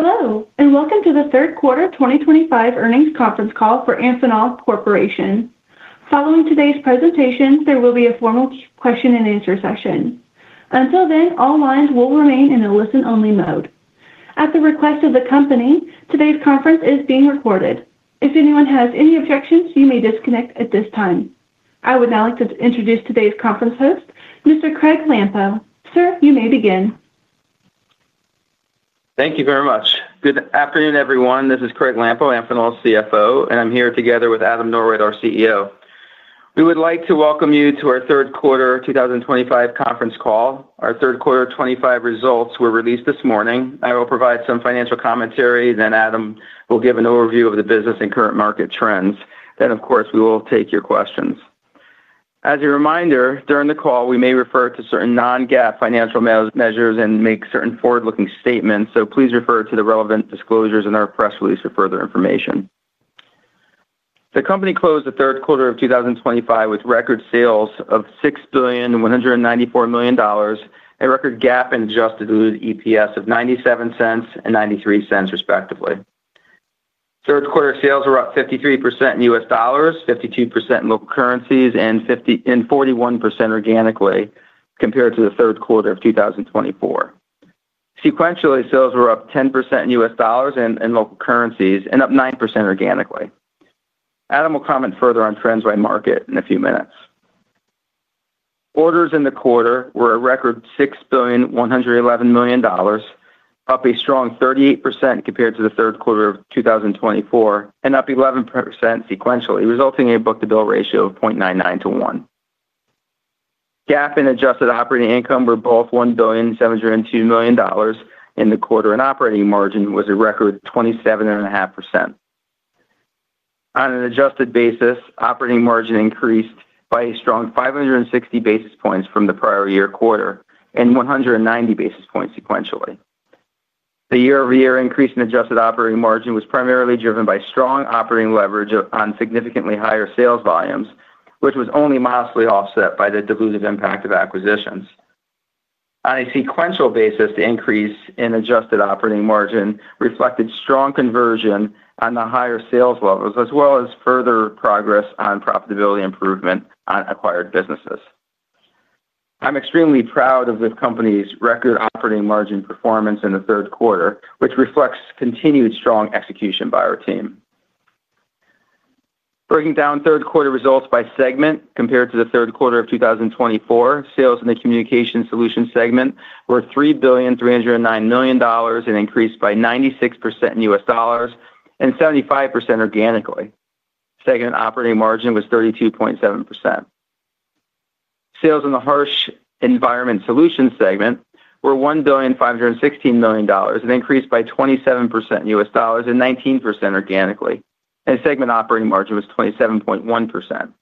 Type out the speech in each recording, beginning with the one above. Hello, and welcome to the third quarter 2025 earnings conference call for Amphenol Corporation. Following today's presentation, there will be a formal question and answer session. Until then, all lines will remain in a listen-only mode. At the request of the company, today's conference is being recorded. If anyone has any objections, you may disconnect at this time. I would now like to introduce today's conference host, Mr. Craig Lampo. Sir, you may begin. Thank you very much. Good afternoon, everyone. This is Craig Lampo, Amphenol's CFO, and I'm here together with Adam Norwitt, our CEO. We would like to welcome you to our third quarter 2025 conference call. Our third quarter 2025 results were released this morning. I will provide some financial commentary, then Adam will give an overview of the business and current market trends. Of course, we will take your questions. As a reminder, during the call, we may refer to certain non-GAAP financial measures and make certain forward-looking statements, so please refer to the relevant disclosures in our press release for further information. The company closed the third quarter of 2025 with record sales of $6,194,000,000, a record GAAP and adjusted EPS of $0.97 and $0.93, respectively. Third quarter sales were up 53% in U.S. dollars, 52% in local currencies, and 41% organically compared to the third quarter of 2024. Sequentially, sales were up 10% in U.S. dollars and local currencies, and up 9% organically. Adam will comment further on trends by market in a few minutes. Orders in the quarter were a record $6,111,000,000, up a strong 38% compared to the third quarter of 2024, and up 11% sequentially, resulting in a book-to-bill ratio of 0.99 to 1. GAAP and adjusted operating income were both $1,702,000,000 in the quarter, and operating margin was a record 27.5%. On an adjusted basis, operating margin increased by a strong 560 basis points from the prior year quarter, and 190 basis points sequentially. The year-over-year increase in adjusted operating margin was primarily driven by strong operating leverage on significantly higher sales volumes, which was only modestly offset by the dilutive impact of acquisitions. On a sequential basis, the increase in adjusted operating margin reflected strong conversion on the higher sales levels, as well as further progress on profitability improvement on acquired businesses. I'm extremely proud of the company's record operating margin performance in the third quarter, which reflects continued strong execution by our team. Breaking down third quarter results by segment compared to the third quarter of 2024, sales in the communication solution segment were $3,309,000,000 and increased by 96% in U.S. dollars and 75% organically. The segment operating margin was 32.7%. Sales in the harsh environment solution segment were $1,516,000,000 and increased by 27% in U.S. dollars and 19% organically, and the segment operating margin was 27.1%.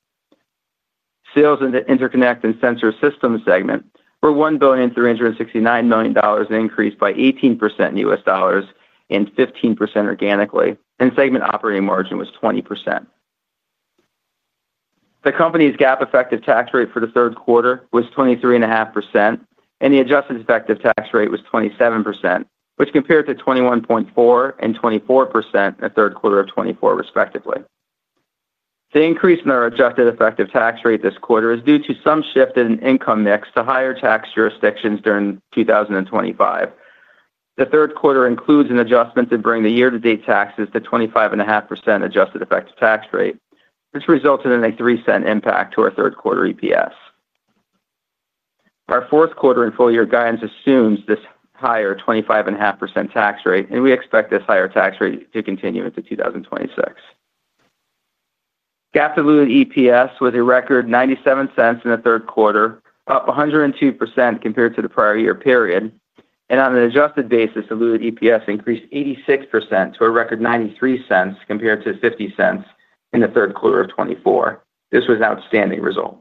Sales in the interconnect and sensor systems segment were $1,369,000,000 and increased by 18% in U.S. dollars and 15% organically, and the segment operating margin was 20%. The company's GAAP effective tax rate for the third quarter was 23.5%, and the adjusted effective tax rate was 27%, which compared to 21.4% and 24% in the third quarter of 2024, respectively. The increase in our adjusted effective tax rate this quarter is due to some shift in income mix to higher tax jurisdictions during 2025. The third quarter includes an adjustment to bring the year-to-date taxes to 25.5% adjusted effective tax rate, which resulted in a $0.03 impact to our third quarter EPS. Our fourth quarter and full-year guidance assumes this higher 25.5% tax rate, and we expect this higher tax rate to continue into 2026. GAAP diluted EPS was a record $0.97 in the third quarter, up 102% compared to the prior year period, and on an adjusted basis, diluted EPS increased 86% to a record $0.93 compared to $0.50 in the third quarter of 2024. This was an outstanding result.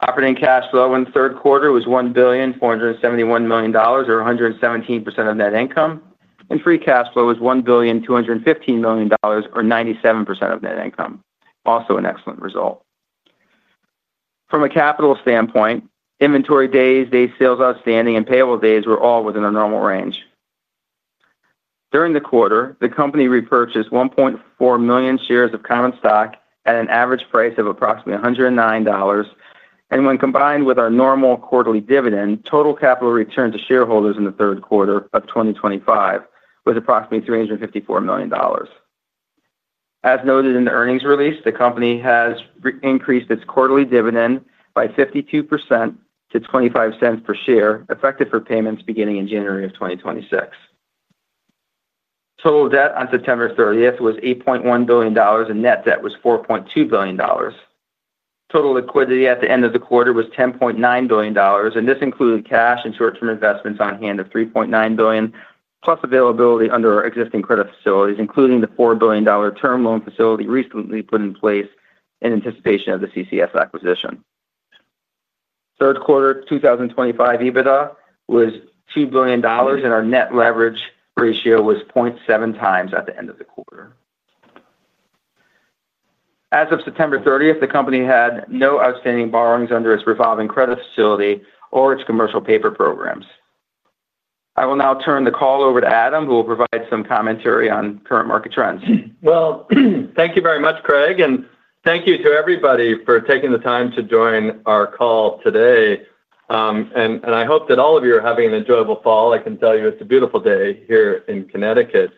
Operating cash flow in the third quarter was $1,471,000,000, or 117% of net income, and free cash flow was $1,215,000,000, or 97% of net income. Also an excellent result. From a capital standpoint, inventory days, days sales outstanding, and payable days were all within a normal range. During the quarter, the company repurchased 1.4 million shares of common stock at an average price of approximately $109, and when combined with our normal quarterly dividend, total capital return to shareholders in the third quarter of 2025 was approximately $354 million. As noted in the earnings release, the company has increased its quarterly dividend by 52% to $0.25 per share, effective for payments beginning in January of 2026. Total debt on September 30th was $8.1 billion, and net debt was $4.2 billion. Total liquidity at the end of the quarter was $10.9 billion, and this included cash and short-term investments on hand of $3.9 billion, plus availability under our existing credit facilities, including the $4 billion term loan facility recently put in place in anticipation of the CCS acquisition. Third quarter 2025 EBITDA was $2 billion, and our net leverage ratio was 0.7x at the end of the quarter. As of September 30th, the company had no outstanding borrowings under its revolving credit facility or its commercial paper programs. I will now turn the call over to Adam, who will provide some commentary on current market trends. Thank you very much, Craig, and thank you to everybody for taking the time to join our call today. I hope that all of you are having an enjoyable fall. I can tell you it's a beautiful day here in Connecticut.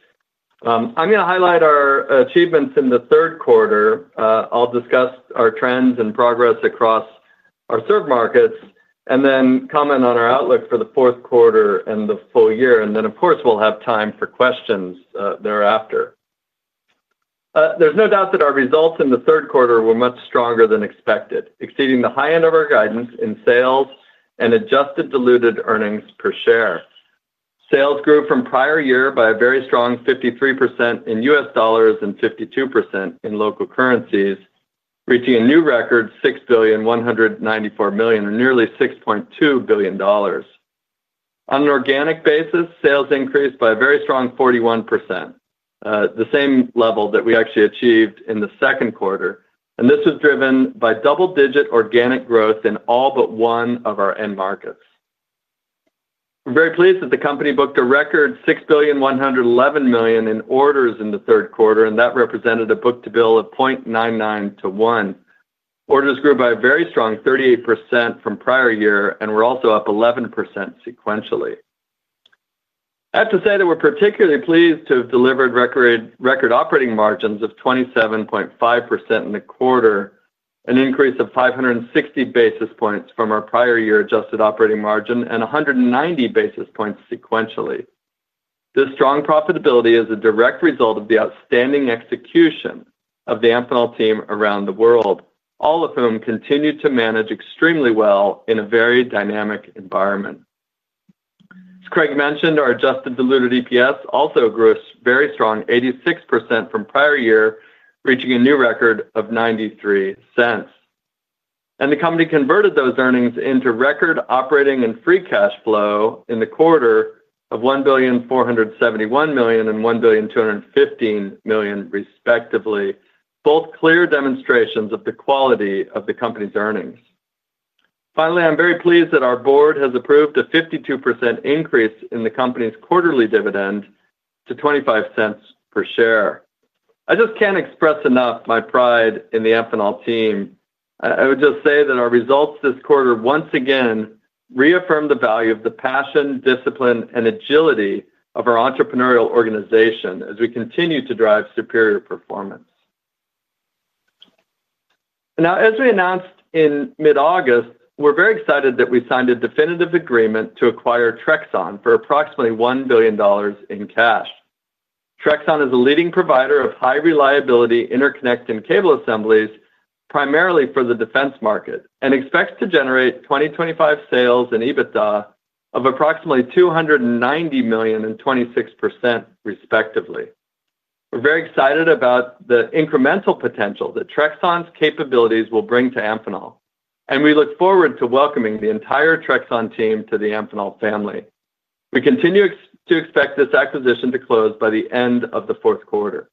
I'm going to highlight our achievements in the third quarter. I'll discuss our trends and progress across our served markets, and then comment on our outlook for the fourth quarter and the full year. Of course, we'll have time for questions thereafter. There's no doubt that our results in the third quarter were much stronger than expected, exceeding the high end of our guidance in sales and adjusted diluted earnings per share. Sales grew from prior year by a very strong 53% in U.S. dollars and 52% in local currencies, reaching a new record $6,194,000,000 and nearly $6.2 billion. On an organic basis, sales increased by a very strong 41%, the same level that we actually achieved in the second quarter, and this was driven by double-digit organic growth in all but one of our end markets. We're very pleased that the company booked a record $6,111,000,000 in orders in the third quarter, and that represented a book-to-bill of 0.99 to 1. Orders grew by a very strong 38% from prior year and were also up 11% sequentially. I have to say that we're particularly pleased to have delivered record operating margins of 27.5% in the quarter, an increase of 560 basis points from our prior year adjusted operating margin and 190 basis points sequentially. This strong profitability is a direct result of the outstanding execution of the Amphenol team around the world, all of whom continue to manage extremely well in a very dynamic environment. As Craig mentioned, our adjusted diluted EPS also grew a very strong 86% from prior year, reaching a new record of $0.93. The company converted those earnings into record operating and free cash flow in the quarter of $1,471,000,000 and $1,215,000,000, respectively, both clear demonstrations of the quality of the company's earnings. Finally, I'm very pleased that our board has approved a 52% increase in the company's quarterly dividend to $0.25 per share. I just can't express enough my pride in the Amphenol team. I would just say that our results this quarter once again reaffirm the value of the passion, discipline, and agility of our entrepreneurial organization as we continue to drive superior performance. Now, as we announced in mid-August, we're very excited that we signed a definitive agreement to acquire Trexon for approximately $1 billion in cash. Trexon is a leading provider of high-reliability interconnect and cable assemblies, primarily for the defense market, and expects to generate 2025 sales and EBITDA of approximately $290 million and 26%, respectively. We're very excited about the incremental potential that Trexon's capabilities will bring to Amphenol, and we look forward to welcoming the entire Trexon team to the Amphenol family. We continue to expect this acquisition to close by the end of the fourth quarter.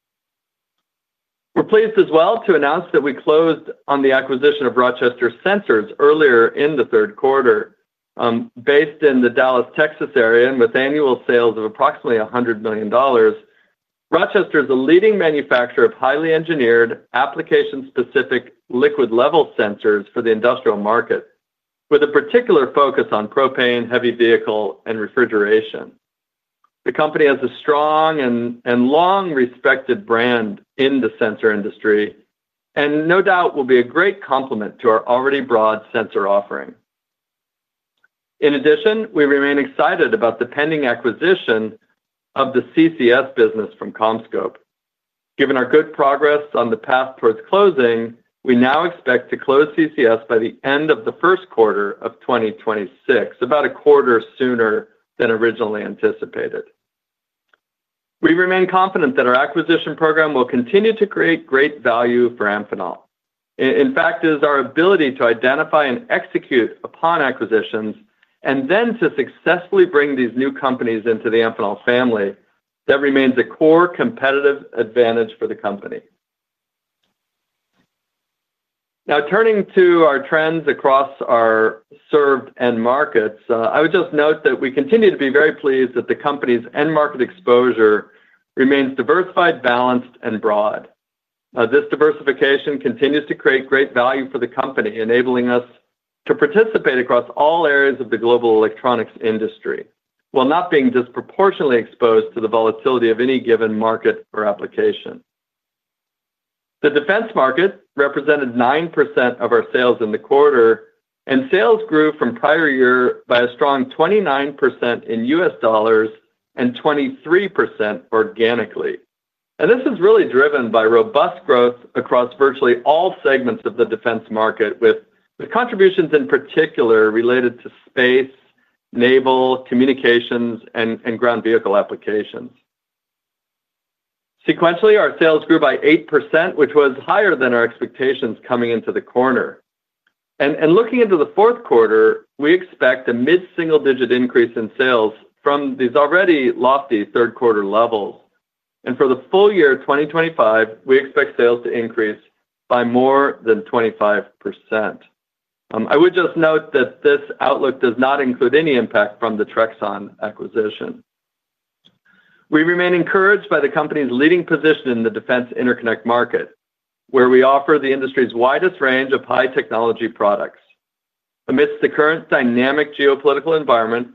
We're pleased as well to announce that we closed on the acquisition of Rochester Sensors earlier in the third quarter. Based in the Dallas, Texas area, and with annual sales of approximately $100 million, Rochester is a leading manufacturer of highly engineered application-specific liquid-level sensors for the industrial market, with a particular focus on propane, heavy vehicle, and refrigeration. The company has a strong and long-respected brand in the sensor industry and no doubt will be a great complement to our already broad sensor offering. In addition, we remain excited about the pending acquisition of the CCS business from CommScope. Given our good progress on the path towards closing, we now expect to close CCS by the end of the first quarter of 2026, about a quarter sooner than originally anticipated. We remain confident that our acquisition program will continue to create great value for Amphenol. In fact, it is our ability to identify and execute upon acquisitions and then to successfully bring these new companies into the Amphenol family that remains a core competitive advantage for the company. Now, turning to our trends across our served end markets, I would just note that we continue to be very pleased that the company's end market exposure remains diversified, balanced, and broad. This diversification continues to create great value for the company, enabling us to participate across all areas of the global electronics industry, while not being disproportionately exposed to the volatility of any given market or application. The defense market represented 9% of our sales in the quarter, and sales grew from prior year by a strong 29% in U.S. dollars and 23% organically. This is really driven by robust growth across virtually all segments of the defense market, with contributions in particular related to space, naval, communications, and ground vehicle applications. Sequentially, our sales grew by 8%, which was higher than our expectations coming into the quarter. Looking into the fourth quarter, we expect a mid-single-digit increase in sales from these already lofty third-quarter levels. For the full year 2025, we expect sales to increase by more than 25%. I would just note that this outlook does not include any impact from the Trexon acquisition. We remain encouraged by the company's leading position in the defense interconnect market, where we offer the industry's widest range of high-technology products. Amidst the current dynamic geopolitical environment,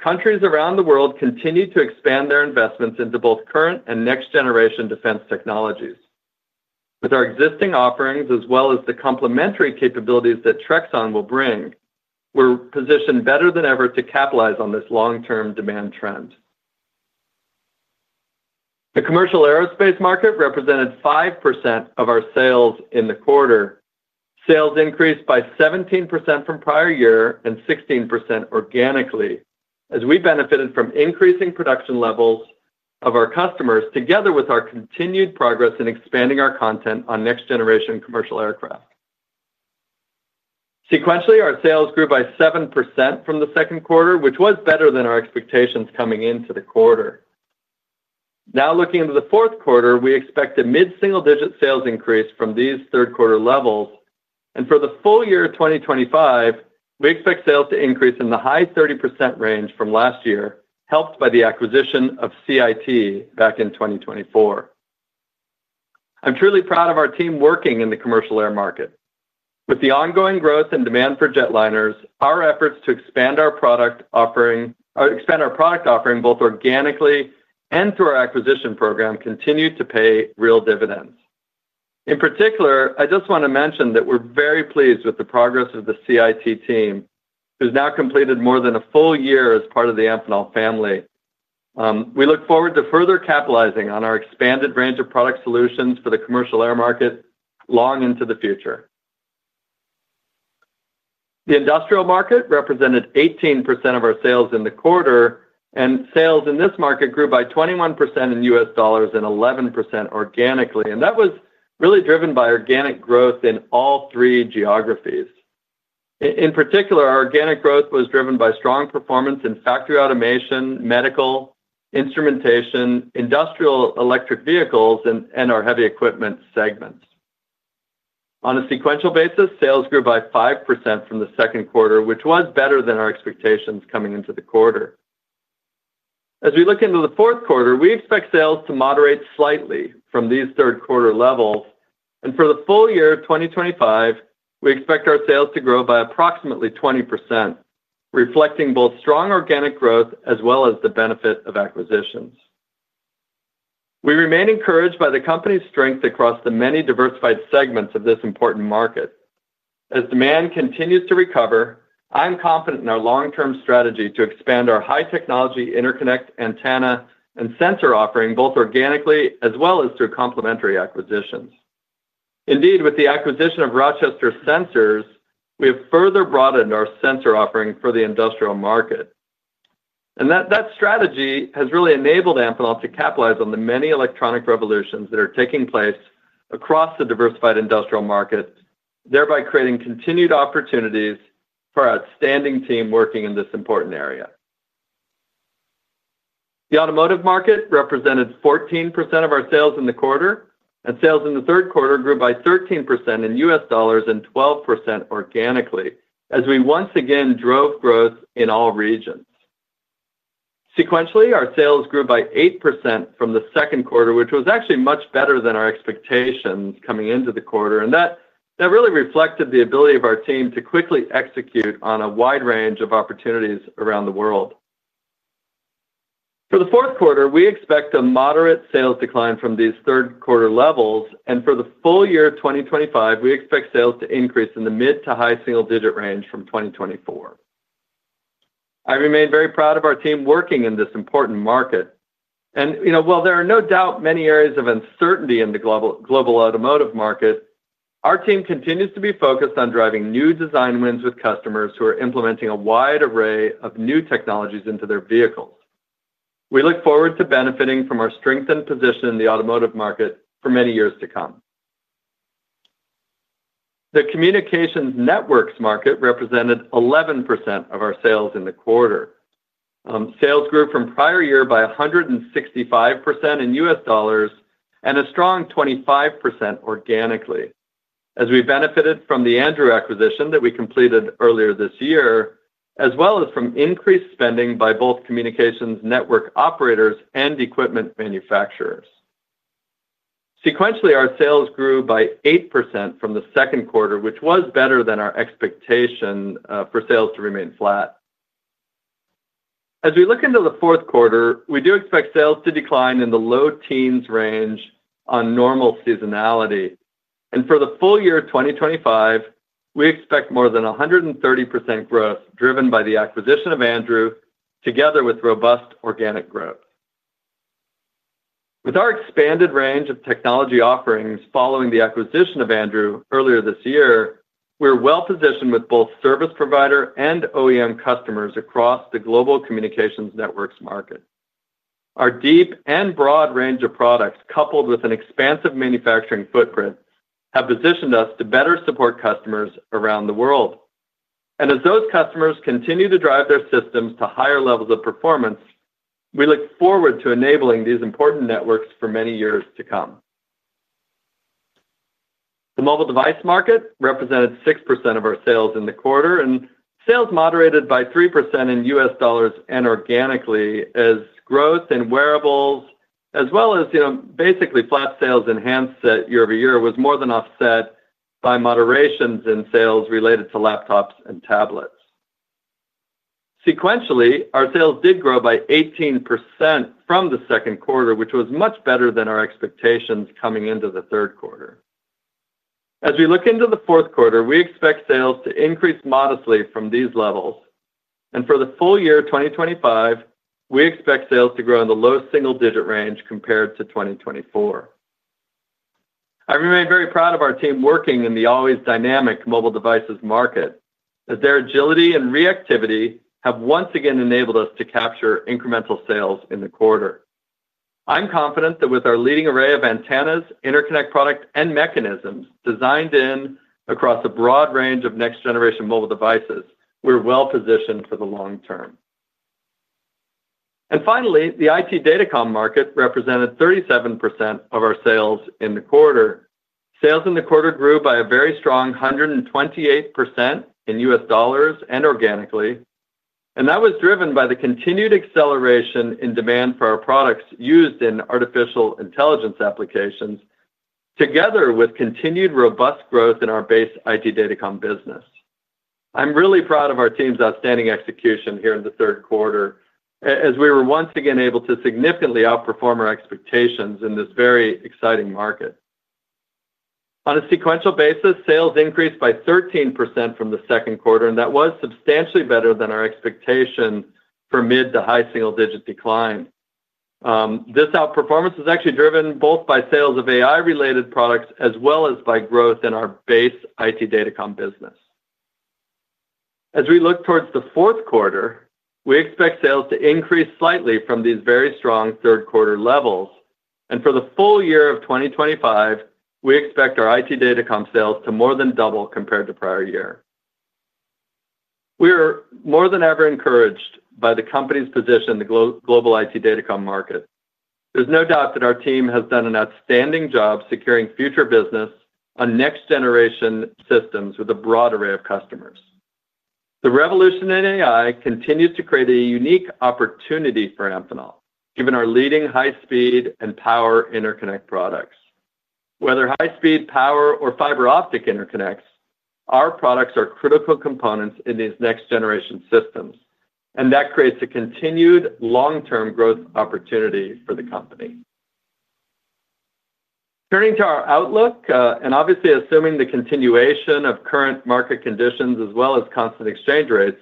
countries around the world continue to expand their investments into both current and next-generation defense technologies. With our existing offerings, as well as the complementary capabilities that Trexon will bring, we're positioned better than ever to capitalize on this long-term demand trend. The commercial aerospace market represented 5% of our sales in the quarter. Sales increased by 17% from prior year and 16% organically, as we benefited from increasing production levels of our customers, together with our continued progress in expanding our content on next-generation commercial aircraft. Sequentially, our sales grew by 7% from the second quarter, which was better than our expectations coming into the quarter. Looking into the fourth quarter, we expect a mid-single-digit sales increase from these third-quarter levels. For the full year 2025, we expect sales to increase in the high 30% range from last year, helped by the acquisition of CIT back in 2024. I'm truly proud of our team working in the commercial air market. With the ongoing growth and demand for jetliners, our efforts to expand our product offering both organically and through our acquisition program continue to pay real dividends. In particular, I just want to mention that we're very pleased with the progress of the CIT team, who's now completed more than a full year as part of the Amphenol family. We look forward to further capitalizing on our expanded range of product solutions for the commercial air market long into the future. The industrial market represented 18% of our sales in the quarter, and sales in this market grew by 21% in U.S. dollars and 11% organically. That was really driven by organic growth in all three geographies. In particular, our organic growth was driven by strong performance in factory automation, medical, instrumentation, industrial electric vehicles, and our heavy equipment segments. On a sequential basis, sales grew by 5% from the second quarter, which was better than our expectations coming into the quarter. As we look into the fourth quarter, we expect sales to moderate slightly from these third-quarter levels. For the full year 2025, we expect our sales to grow by approximately 20%, reflecting both strong organic growth as well as the benefit of acquisitions. We remain encouraged by the company's strength across the many diversified segments of this important market. As demand continues to recover, I'm confident in our long-term strategy to expand our high-technology interconnect antenna and sensor offering both organically as well as through complementary acquisitions. Indeed, with the acquisition of Rochester Sensors, we have further broadened our sensor offering for the industrial market. That strategy has really enabled Amphenol to capitalize on the many electronic revolutions that are taking place across the diversified industrial market, thereby creating continued opportunities for our outstanding team working in this important area. The automotive market represented 14% of our sales in the quarter, and sales in the third quarter grew by 13% in U.S. dollars and 12% organically, as we once again drove growth in all regions. Sequentially, our sales grew by 8% from the second quarter, which was actually much better than our expectations coming into the quarter. That really reflected the ability of our team to quickly execute on a wide range of opportunities around the world. For the fourth quarter, we expect a moderate sales decline from these third-quarter levels. For the full year 2025, we expect sales to increase in the mid to high single-digit range from 2024. I remain very proud of our team working in this important market. While there are no doubt many areas of uncertainty in the global automotive market, our team continues to be focused on driving new design wins with customers who are implementing a wide array of new technologies into their vehicles. We look forward to benefiting from our strengthened position in the automotive market for many years to come. The communications networks market represented 11% of our sales in the quarter. Sales grew from prior year by 165% in U.S. dollars and a strong 25% organically, as we benefited from the ANDREW acquisition that we completed earlier this year, as well as from increased spending by both communications network operators and equipment manufacturers. Sequentially, our sales grew by 8% from the second quarter, which was better than our expectation for sales to remain flat. As we look into the fourth quarter, we do expect sales to decline in the low teens range on normal seasonality. For the full year 2025, we expect more than 130% growth driven by the acquisition of ANDREW, together with robust organic growth. With our expanded range of technology offerings following the acquisition of ANDREW earlier this year, we're well positioned with both service provider and OEM customers across the global communications networks market. Our deep and broad range of products, coupled with an expansive manufacturing footprint, have positioned us to better support customers around the world. As those customers continue to drive their systems to higher levels of performance, we look forward to enabling these important networks for many years to come. The mobile device market represented 6% of our sales in the quarter, and sales moderated by 3% in U.S. dollars and organically, as growth in wearables, as well as basically flat sales enhanced year-over-year, was more than offset by moderations in sales related to laptops and tablets. Sequentially, our sales did grow by 18% from the second quarter, which was much better than our expectations coming into the third quarter. As we look into the fourth quarter, we expect sales to increase modestly from these levels. For the full year 2025, we expect sales to grow in the low single-digit range compared to 2024. I remain very proud of our team working in the always dynamic mobile devices market, as their agility and reactivity have once again enabled us to capture incremental sales in the quarter. I'm confident that with our leading array of antennas, interconnect products, and mechanisms designed in across a broad range of next-generation mobile devices, we're well positioned for the long term. Finally, the IT Data Comm market represented 37% of our sales in the quarter. Sales in the quarter grew by a very strong 128% in U.S. dollars and organically, and that was driven by the continued acceleration in demand for our products used in artificial intelligence applications, together with continued robust growth in our base IT Data Comm business. I'm really proud of our team's outstanding execution here in the third quarter, as we were once again able to significantly outperform our expectations in this very exciting market. On a sequential basis, sales increased by 13% from the second quarter, and that was substantially better than our expectation for mid to high single-digit decline. This outperformance is actually driven both by sales of AI-related products as well as by growth in our base IT Data Comm business. As we look towards the fourth quarter, we expect sales to increase slightly from these very strong third-quarter levels. For the full year of 2025, we expect our IT Data Comm sales to more than double compared to prior year. We are more than ever encouraged by the company's position in the global IT Data Comm market. There's no doubt that our team has done an outstanding job securing future business on next-generation systems with a broad array of customers. The revolution in AI continues to create a unique opportunity for Amphenol, given our leading high-speed and power interconnect products. Whether high-speed power or fiber optic interconnect technologies, our products are critical components in these next-generation systems, and that creates a continued long-term growth opportunity for the company. Turning to our outlook, and obviously assuming the continuation of current market conditions as well as constant exchange rates,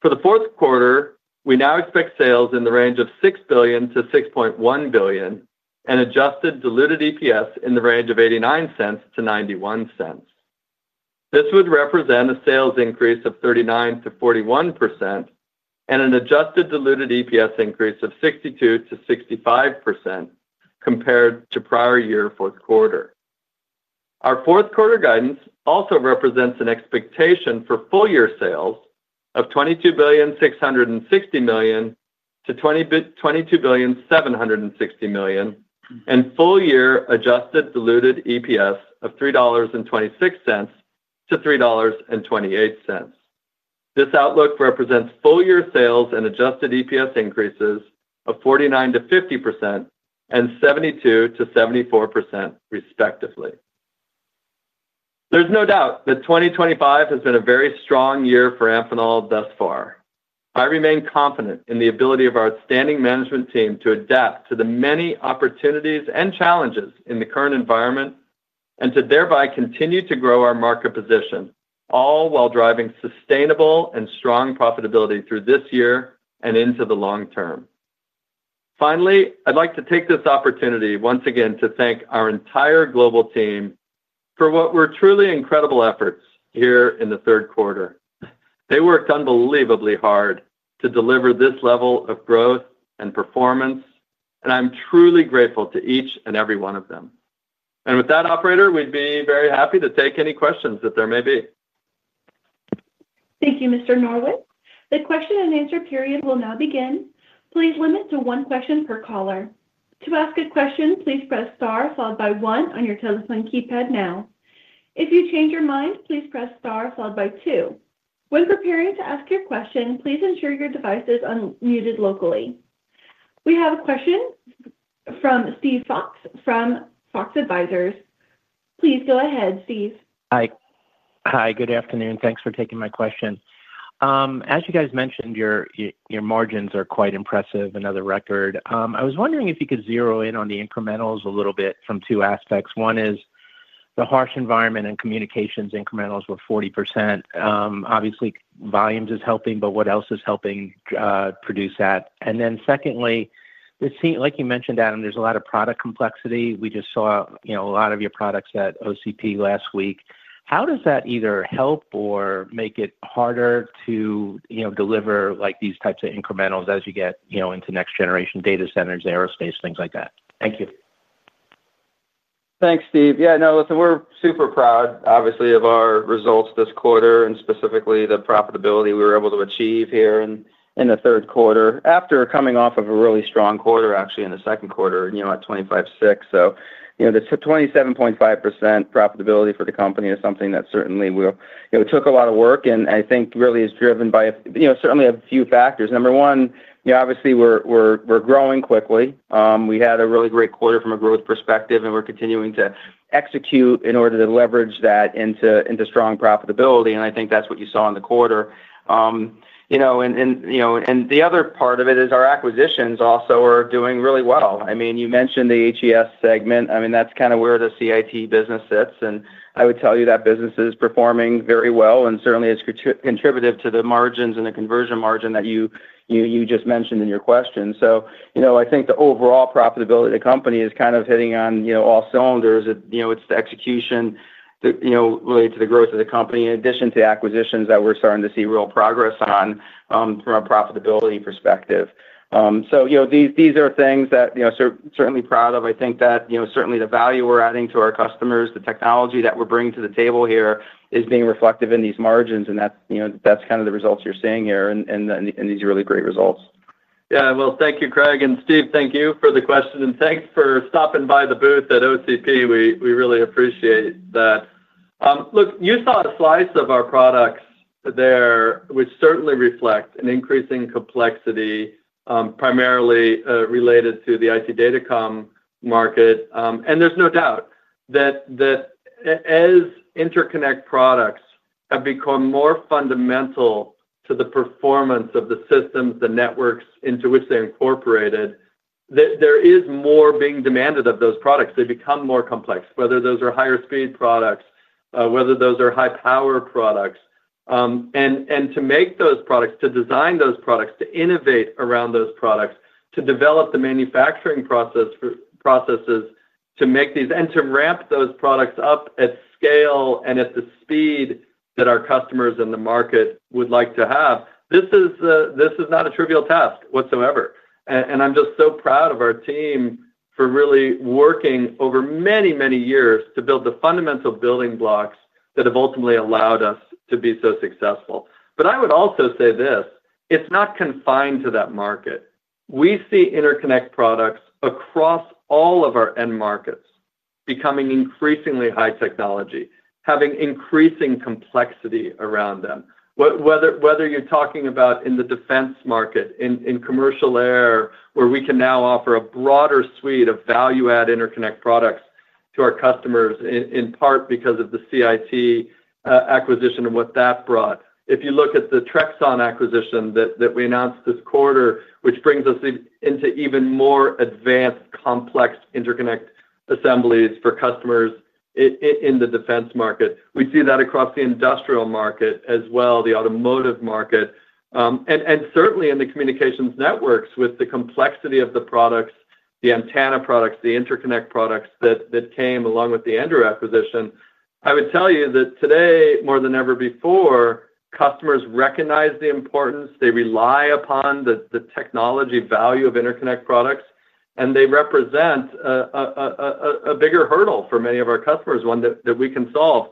for the fourth quarter, we now expect sales in the range of $6 billion-$6.1 billion and adjusted diluted EPS in the range of $0.89-$0.91. This would represent a sales increase of 39% to 41% and an adjusted diluted EPS increase of 62% to 65% compared to prior year fourth quarter. Our fourth quarter guidance also represents an expectation for full-year sales of $22,660,000,000-$22,760,000,000 and full-year adjusted diluted EPS of $3.26-$3.28. This outlook represents full-year sales and adjusted EPS increases of 49% to 50% and 72% to 74% respectively. There's no doubt that 2025 has been a very strong year for Amphenol thus far. I remain confident in the ability of our outstanding management team to adapt to the many opportunities and challenges in the current environment and to thereby continue to grow our market position, all while driving sustainable and strong profitability through this year and into the long term. Finally, I'd like to take this opportunity once again to thank our entire global team for what were truly incredible efforts here in the third quarter. They worked unbelievably hard to deliver this level of growth and performance, and I'm truly grateful to each and every one of them. With that, operator, we'd be very happy to take any questions that there may be. Thank you, Mr. Norwitt. The question and answer period will now begin. Please limit to one question per caller. To ask a question, please press star followed by one on your telephone keypad now. If you change your mind, please press star followed by two. When preparing to ask your question, please ensure your device is unmuted locally. We have a question from Steve Fox from Fox Advisors. Please go ahead, Steve. Hi, good afternoon. Thanks for taking my question. As you guys mentioned, your margins are quite impressive and another record. I was wondering if you could zero in on the incrementals a little bit from two aspects. One is the harsh environment and communications incrementals were 40%. Obviously, volumes are helping, but what else is helping produce that? Secondly, it seemed like you mentioned, Adam, there's a lot of product complexity. We just saw a lot of your products at OCP last week. How does that either help or make it harder to deliver these types of incrementals as you get into next-generation data centers, aerospace, things like that? Thank you. Thanks, Steve. Yeah, no, listen, we're super proud, obviously, of our results this quarter and specifically the profitability we were able to achieve here in the third quarter after coming off of a really strong quarter, actually, in the second quarter, you know, at 25.6%. This 27.5% profitability for the company is something that certainly took a lot of work and I think really is driven by certainly a few factors. Number one, obviously, we're growing quickly. We had a really great quarter from a growth perspective, and we're continuing to execute in order to leverage that into strong profitability. I think that's what you saw in the quarter. The other part of it is our acquisitions also are doing really well. I mean, you mentioned the [HES] segment. That's kind of where the CIT business sits. I would tell you that business is performing very well and certainly is contributing to the margins and the conversion margin that you just mentioned in your question. I think the overall profitability of the company is kind of hitting on all cylinders. It's the execution related to the growth of the company, in addition to the acquisitions that we're starting to see real progress on from a profitability perspective. These are things that we're certainly proud of. I think that certainly the value we're adding to our customers, the technology that we're bringing to the table here is being reflected in these margins, and that's kind of the results you're seeing here and these really great results. Thank you, Craig. Steve, thank you for the question, and thanks for stopping by the booth at OCP. We really appreciate that. Look, you saw a slice of our products there, which certainly reflect an increasing complexity, primarily related to the IT Data Comm market. There's no doubt that as interconnect products have become more fundamental to the performance of the systems, the networks into which they're incorporated, there is more being demanded of those products. They become more complex, whether those are higher speed products, whether those are high-power products. To make those products, to design those products, to innovate around those products, to develop the manufacturing processes to make these and to ramp those products up at scale and at the speed that our customers in the market would like to have, this is not a trivial task whatsoever. I'm just so proud of our team for really working over many, many years to build the fundamental building blocks that have ultimately allowed us to be so successful. I would also say this, it's not confined to that market. We see interconnect products across all of our end markets becoming increasingly high technology, having increasing complexity around them. Whether you're talking about in the defense market, in commercial aerospace, where we can now offer a broader suite of value-add interconnect products to our customers, in part because of the CIT acquisition and what that brought. If you look at the Trexon acquisition that we announced this quarter, which brings us into even more advanced, complex interconnect assemblies for customers in the defense market, we see that across the industrial market as well, the automotive market, and certainly in the communications networks with the complexity of the products, the antenna products, the interconnect products that came along with the ANDREW acquisition. I would tell you that today, more than ever before, customers recognize the importance. They rely upon the technology value of interconnect products, and they represent a bigger hurdle for many of our customers, one that we can solve.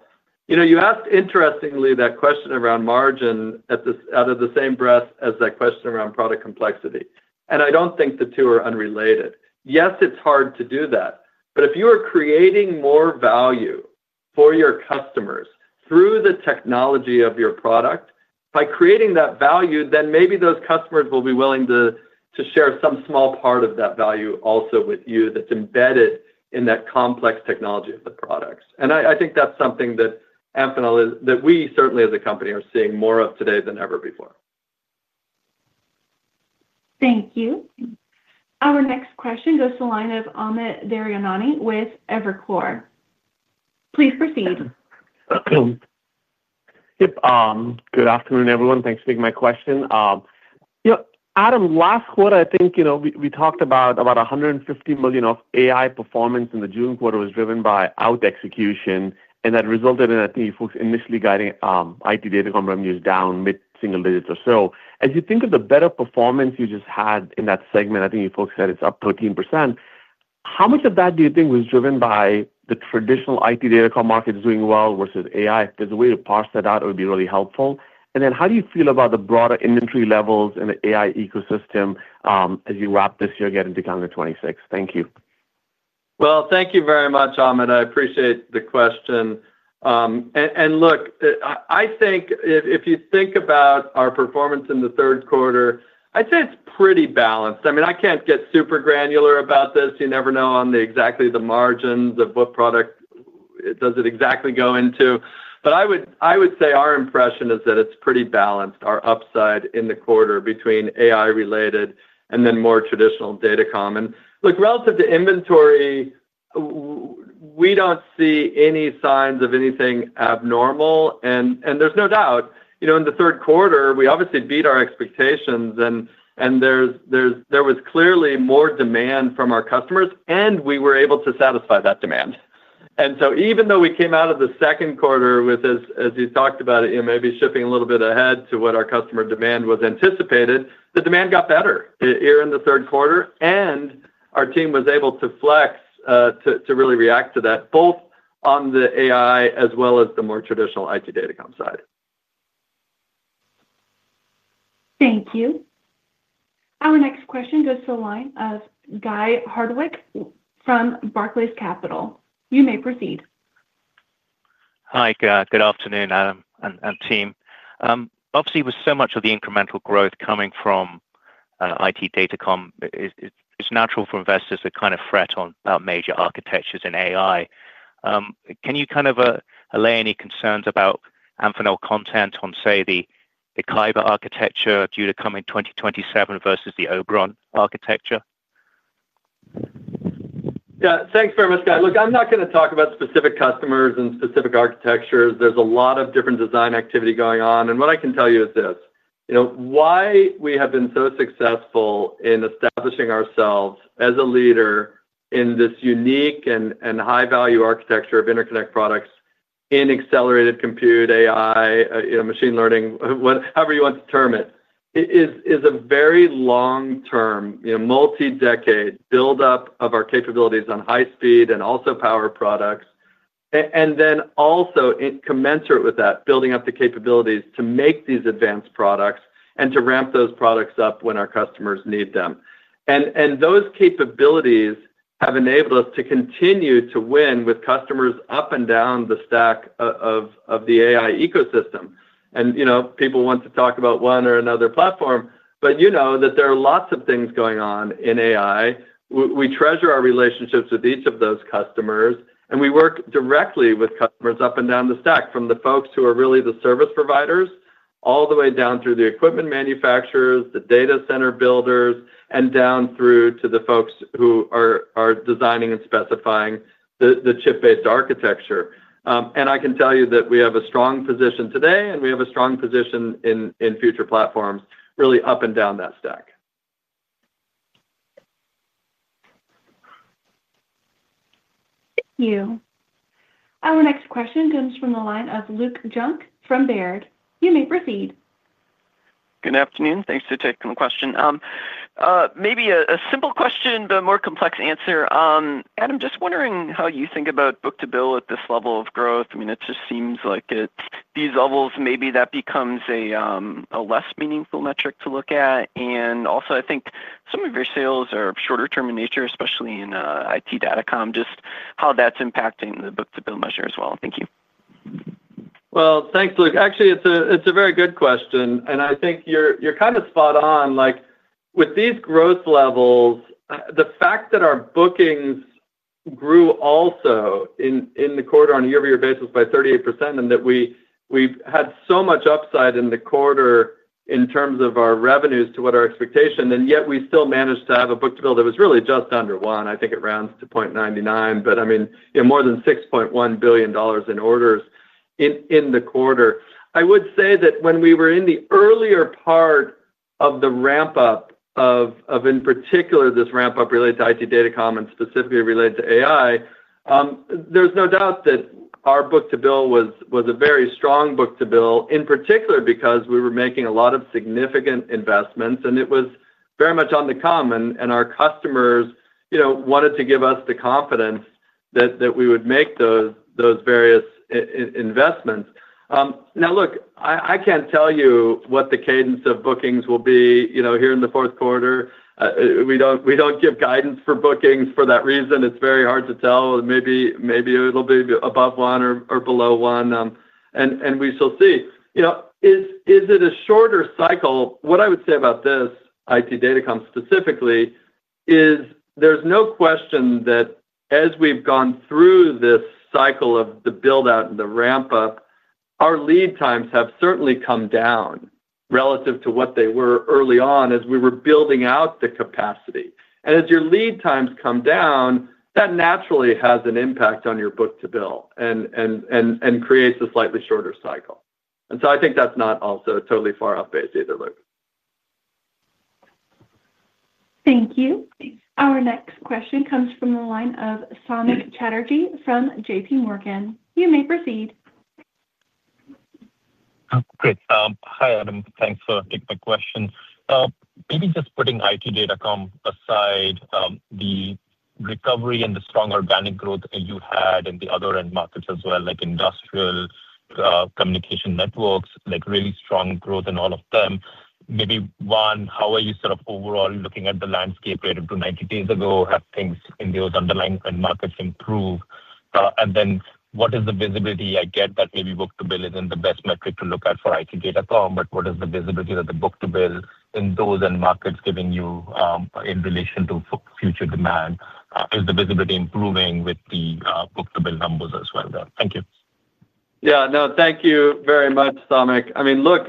You asked, interestingly, that question around margin out of the same breath as that question around product complexity. I don't think the two are unrelated. Yes, it's hard to do that. If you are creating more value for your customers through the technology of your product, by creating that value, then maybe those customers will be willing to share some small part of that value also with you that's embedded in that complex technology of the products. I think that's something that Amphenol is, that we certainly as a company are seeing more of today than ever before. Thank you. Our next question goes to the line of Amit Daryanani with Evercore. Please proceed. Good afternoon, everyone. Thanks for taking my question. Adam, last quarter, I think we talked about $150 million of AI performance in the June quarter was driven by our execution, and that resulted in, I think, you focused initially guiding IT Data Comm revenues down mid-single digits or so. As you think of the better performance you just had in that segment, I think you focused that it's up 13%. How much of that do you think was driven by the traditional IT Data Comm markets doing well versus AI? If there's a way to parse that out, it would be really helpful. How do you feel about the broader inventory levels in the AI ecosystem as you wrap this year getting to calendar 2026? Thank you. Thank you very much, Amit. I appreciate the question. If you think about our performance in the third quarter, I'd say it's pretty balanced. I can't get super granular about this. You never know on exactly the margins of what product does it exactly go into. I would say our impression is that it's pretty balanced, our upside in the quarter between AI-related and then more traditional data comm. Relative to inventory, we don't see any signs of anything abnormal. There's no doubt, in the third quarter, we obviously beat our expectations, and there was clearly more demand from our customers, and we were able to satisfy that demand. Even though we came out of the second quarter with, as you talked about it, maybe shipping a little bit ahead to what our customer demand was anticipated, the demand got better here in the third quarter, and our team was able to flex to really react to that, both on the AI as well as the more traditional IT Data Comm side. Thank you. Our next question goes to the line of Guy Hardwick from Barclays Capital. You may proceed. Hi, Guy. Good afternoon, Adam, and team. Obviously, with so much of the incremental growth coming from IT Data Comm, it's natural for investors to kind of fret about major architectures in AI. Can you kind of allay any concerns about Amphenol content on, say, the Kyber architecture due to coming 2027 versus the Oberon architecture? Yeah, thanks very much, Guy. I'm not going to talk about specific customers and specific architectures. There's a lot of different design activity going on. What I can tell you is this: why we have been so successful in establishing ourselves as a leader in this unique and high-value architecture of interconnect products in accelerated compute, AI, machine learning, however you want to term it, is a very long-term, multi-decade build-up of our capabilities on high-speed and also power products. Also, commensurate with that, building up the capabilities to make these advanced products and to ramp those products up when our customers need them. Those capabilities have enabled us to continue to win with customers up and down the stack of the AI ecosystem. People want to talk about one or another platform, but there are lots of things going on in AI. We treasure our relationships with each of those customers, and we work directly with customers up and down the stack, from the folks who are really the service providers all the way down through the equipment manufacturers, the data center builders, and down through to the folks who are designing and specifying the chip-based architecture. I can tell you that we have a strong position today, and we have a strong position in future platforms, really up and down that stack. Thank you. Our next question comes from the line of Luke Junk from Baird. You may proceed. Good afternoon. Thanks for taking the question. Maybe a simple question, but a more complex answer. Adam, just wondering how you think about book-to-bill at this level of growth. It just seems like at these levels, maybe that becomes a less meaningful metric to look at. I think some of your sales are shorter-term in nature, especially in IT Data Comm, just how that's impacting the book-to-bill measure as well. Thank you. Thanks, Luke. Actually, it's a very good question. I think you're kind of spot on. With these growth levels, the fact that our bookings grew also in the quarter on a year-over-year basis by 38% and that we had so much upside in the quarter in terms of our revenues to what our expectation was, yet we still managed to have a book-to-bill that was really just under 1. I think it rounds to 0.99, but, I mean, more than $6.1 billion in orders in the quarter. I would say that when we were in the earlier part of the ramp-up, in particular this ramp-up related to IT Data Comm and specifically related to AI, there's no doubt that our book-to-bill was a very strong book-to-bill, in particular because we were making a lot of significant investments, and it was very much on the comm. Our customers wanted to give us the confidence that we would make those various investments. Now, look, I can't tell you what the cadence of bookings will be here in the fourth quarter. We don't give guidance for bookings for that reason. It's very hard to tell. Maybe it'll be above one or below one, and we shall see. Is it a shorter cycle? What I would say about this IT Data Comm specifically is there's no question that as we've gone through this cycle of the build-out and the ramp-up, our lead times have certainly come down relative to what they were early on as we were building out the capacity. As your lead times come down, that naturally has an impact on your book-to-bill and creates a slightly shorter cycle. I think that's not also totally far off base either, Luke. Thank you. Our next question comes from the line of Samik Chatterjee from JPMorgan. You may proceed. Oh, good. Hi, Adam. Thanks for taking my question. Maybe just putting IT Data Comm aside, the recovery and the strong organic growth you had in the other end markets as well, like industrial communication networks, like really strong growth in all of them. Maybe one, how are you sort of overall looking at the landscape relative to 90 days ago? Have things in those underlying end markets improved? What is the visibility? I get that maybe book-to-bill isn't the best metric to look at for IT Data Comm, but what is the visibility of the book-to-bill in those end markets giving you in relation to future demand? Is the visibility improving with the book-to-bill numbers as well there? Thank you. Yeah, no, thank you very much, Samik. I mean, look,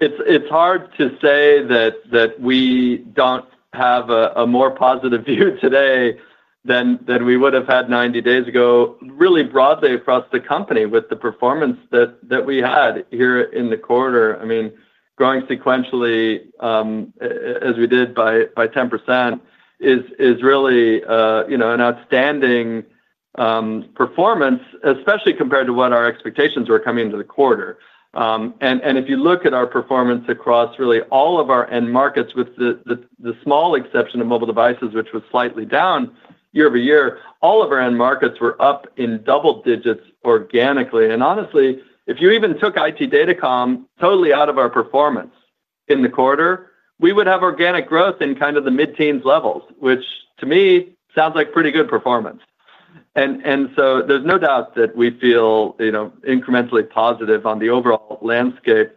it's hard to say that we don't have a more positive view today than we would have had 90 days ago, really broadly across the company with the performance that we had here in the quarter. Growing sequentially as we did by 10% is really an outstanding performance, especially compared to what our expectations were coming into the quarter. If you look at our performance across really all of our end markets, with the small exception of mobile devices, which was slightly down year over year, all of our end markets were up in double digits organically. Honestly, if you even took IT Data Comm totally out of our performance in the quarter, we would have organic growth in kind of the mid-teens levels, which to me sounds like pretty good performance. There's no doubt that we feel incrementally positive on the overall landscape.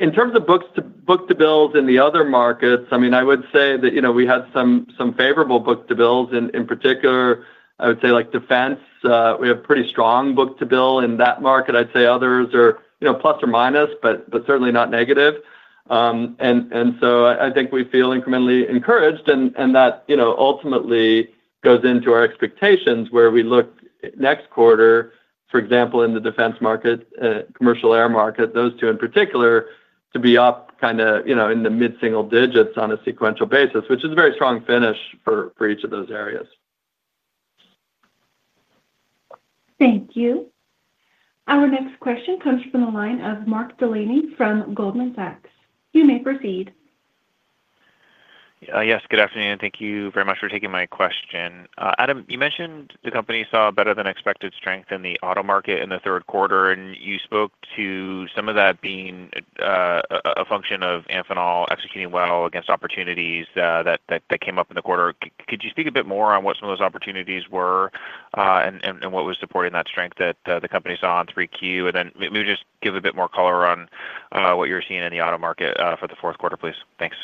In terms of book-to-bills in the other markets, I would say that we had some favorable book-to-bills. In particular, I would say like defense, we have pretty strong book-to-bill in that market. I'd say others are plus or minus, but certainly not negative. I think we feel incrementally encouraged, and that ultimately goes into our expectations where we look next quarter, for example, in the defense market, commercial aerospace market, those two in particular to be up kind of in the mid-single digits on a sequential basis, which is a very strong finish for each of those areas. Thank you. Our next question comes from the line of Mark Delaney from Goldman Sachs. You may proceed. Yes, good afternoon. Thank you very much for taking my question. Adam, you mentioned the company saw a better-than-expected strength in the auto market in the third quarter, and you spoke to some of that being a function of Amphenol executing well against opportunities that came up in the quarter. Could you speak a bit more on what some of those opportunities were and what was supporting that strength that the company saw in 3Q? Maybe just give a bit more color on what you're seeing in the auto market for the fourth quarter, please. Thanks.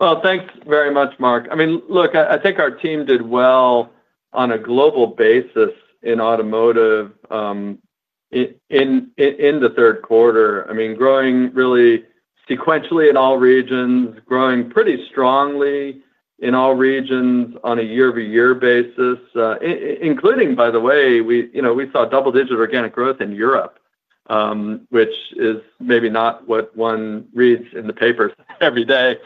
Thank you very much, Mark. I mean, look, I think our team did well on a global basis in automotive in the third quarter. I mean, growing really sequentially in all regions, growing pretty strongly in all regions on a year-over-year basis, including, by the way, we saw double-digit organic growth in Europe, which is maybe not what one reads in the papers every day.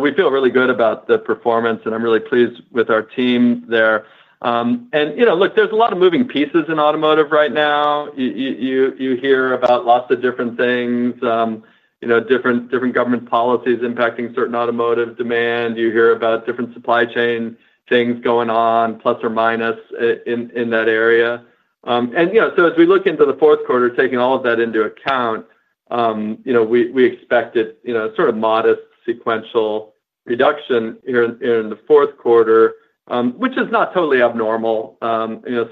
We feel really good about the performance, and I'm really pleased with our team there. You know, look, there's a lot of moving pieces in automotive right now. You hear about lots of different things, different government policies impacting certain automotive demand. You hear about different supply chain things going on, plus or minus, in that area. As we look into the fourth quarter, taking all of that into account, we expect a sort of modest sequential reduction here in the fourth quarter, which is not totally abnormal.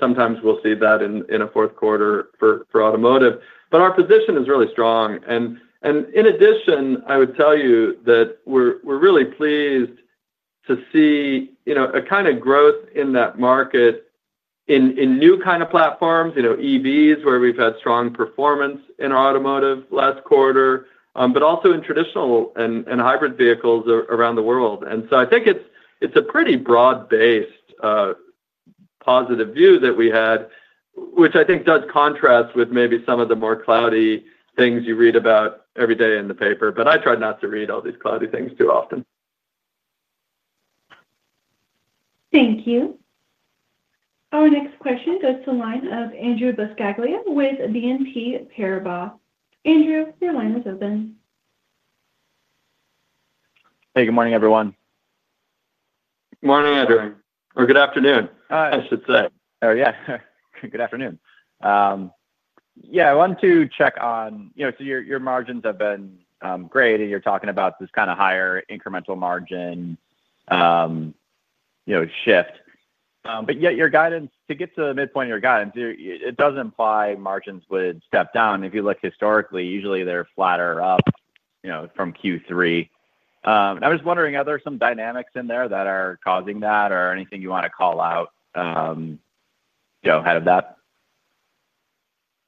Sometimes we'll see that in a fourth quarter for automotive. Our position is really strong. In addition, I would tell you that we're really pleased to see a kind of growth in that market in new kind of platforms, EVs, where we've had strong performance in our automotive last quarter, but also in traditional and hybrid vehicles around the world. I think it's a pretty broad-based positive view that we had, which I think does contrast with maybe some of the more cloudy things you read about every day in the paper. I try not to read all these cloudy things too often. Thank you. Our next question goes to the line of Andrew Buscaglia with BNP Paribas. Andrew, your line is open. Hey, good morning, everyone. Morning, Andrew, or good afternoon, I should say. Good afternoon. I wanted to check on, you know, your margins have been great, and you're talking about this kind of higher incremental margin shift. Yet your guidance to get to the midpoint of your guidance, it doesn't imply margins would step down. If you look historically, usually they're flat or up from Q3. I was wondering, are there some dynamics in there that are causing that or anything you want to call out ahead of that?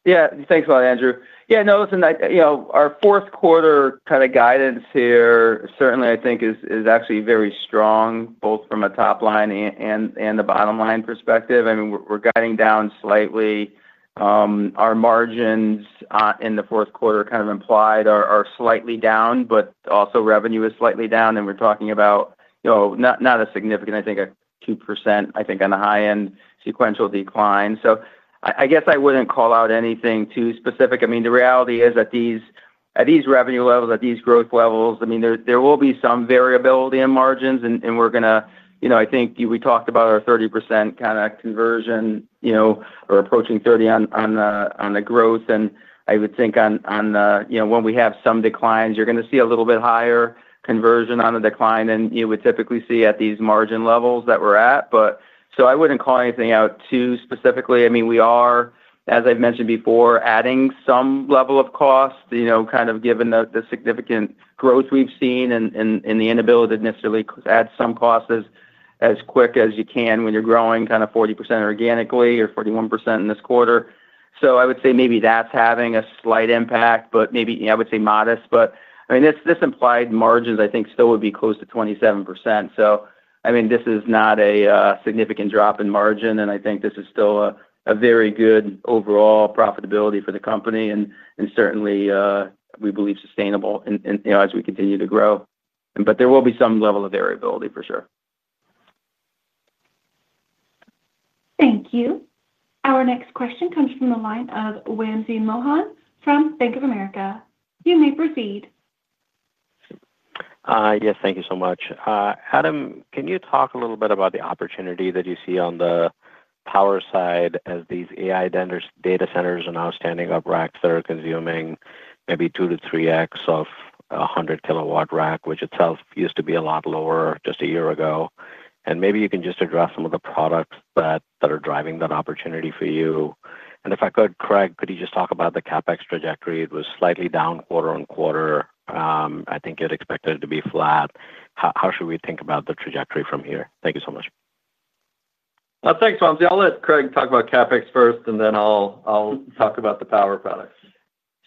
Yeah, thanks a lot, Andrew. Yeah, no, listen, our fourth quarter kind of guidance here certainly, I think, is actually very strong, both from a top line and the bottom line perspective. I mean, we're guiding down slightly. Our margins in the fourth quarter, kind of implied, are slightly down, but also revenue is slightly down. We're talking about, you know, not a significant, I think, a 2%, I think, on the high-end sequential decline. I guess I wouldn't call out anything too specific. The reality is that at these revenue levels, at these growth levels, there will be some variability in margins. We're going to, you know, I think we talked about our 30% kind of conversion, you know, or approaching 30% on the growth. I would think, you know, when we have some declines, you're going to see a little bit higher conversion on the decline than you would typically see at these margin levels that we're at. I wouldn't call anything out too specifically. We are, as I've mentioned before, adding some level of cost, you know, kind of given the significant growth we've seen and the inability to necessarily add some costs as quick as you can when you're growing kind of 40% organically or 41% in this quarter. I would say maybe that's having a slight impact, but maybe I would say modest. This implied margins, I think, still would be close to 27%. This is not a significant drop in margin. I think this is still a very good overall profitability for the company. Certainly, we believe sustainable as we continue to grow. There will be some level of variability for sure. Thank you. Our next question comes from the line of Wamsi Mohan from Bank of America. You may proceed. Yes, thank you so much. Adam, can you talk a little bit about the opportunity that you see on the power side as these AI-driven data centers and outstanding op racks that are consuming maybe 2x-3x of a 100 kW rack, which itself used to be a lot lower just a year ago? Maybe you can just address some of the products that are driving that opportunity for you. If I could, Craig, could you just talk about the CapEx trajectory? It was slightly down quarter on quarter. I think you had expected it to be flat. How should we think about the trajectory from here? Thank you so much. Thanks, [Wamsi]. I'll let Craig talk about CapEx first, and then I'll talk about the power products.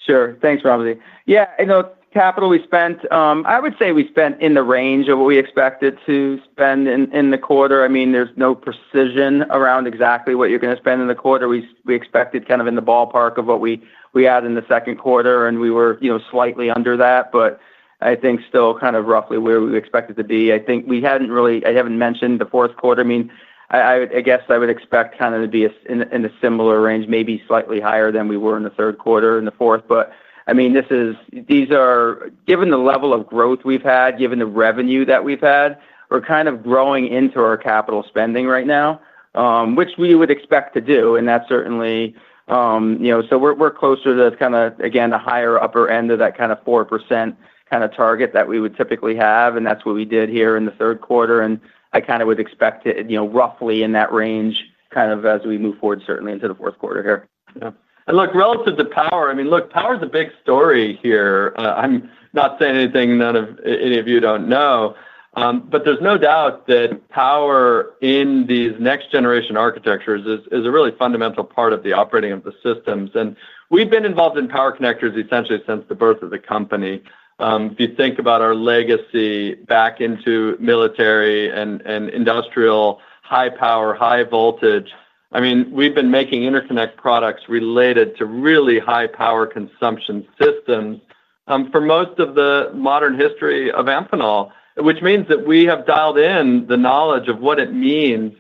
Sure. Thanks, [Wamsi]. Yeah, you know, the capital we spent, I would say we spent in the range of what we expected to spend in the quarter. I mean, there's no precision around exactly what you're going to spend in the quarter. We expected kind of in the ballpark of what we had in the second quarter, and we were slightly under that, but I think still kind of roughly where we expected to be. I think we hadn't really, I haven't mentioned the fourth quarter. I guess I would expect kind of to be in a similar range, maybe slightly higher than we were in the third quarter in the fourth. These are, given the level of growth we've had, given the revenue that we've had, we're kind of growing into our capital spending right now, which we would expect to do. That's certainly, you know, so we're closer to kind of, again, the higher upper end of that kind of 4% kind of target that we would typically have. That's what we did here in the third quarter. I kind of would expect it, you know, roughly in that range as we move forward, certainly into the fourth quarter here. Yeah. Look, relative to power, power is a big story here. I'm not saying anything none of any of you don't know. There's no doubt that power in these next-generation architectures is a really fundamental part of the operating of the systems. We've been involved in power connectors essentially since the birth of the company. If you think about our legacy back into military and industrial, high-power, high-voltage, we've been making interconnect products related to really high-power consumption systems for most of the modern history of Amphenol, which means that we have dialed in the knowledge of what it means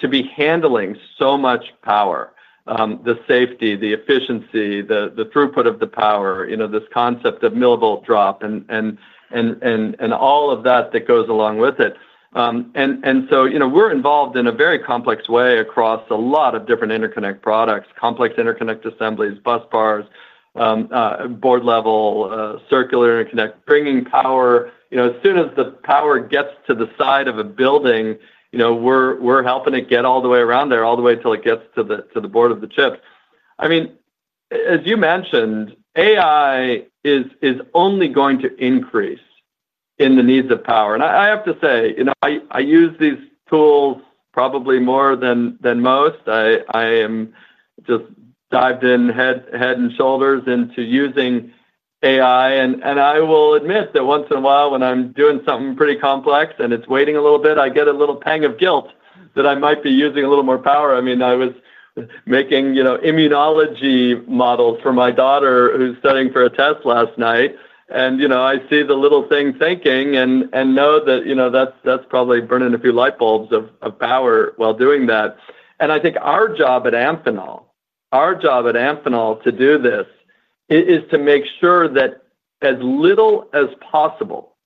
to be handling so much power, the safety, the efficiency, the throughput of the power, this concept of millivolt drop, and all of that that goes along with it. We're involved in a very complex way across a lot of different interconnect products, complex interconnect assemblies, bus bars, board-level, circular interconnect, bringing power. As soon as the power gets to the side of a building, we're helping it get all the way around there, all the way until it gets to the board of the chips. As you mentioned, AI is only going to increase in the needs of power. I have to say, I use these tools probably more than most. I am just dived in head and shoulders into using AI. I will admit that once in a while, when I'm doing something pretty complex and it's waiting a little bit, I get a little pang of guilt that I might be using a little more power. I was making immunology models for my daughter who's studying for a test last night. I see the little thing thinking and know that that's probably burning a few light bulbs of power while doing that. I think our job at Amphenol, our job at Amphenol to do this is to make sure that as little as possible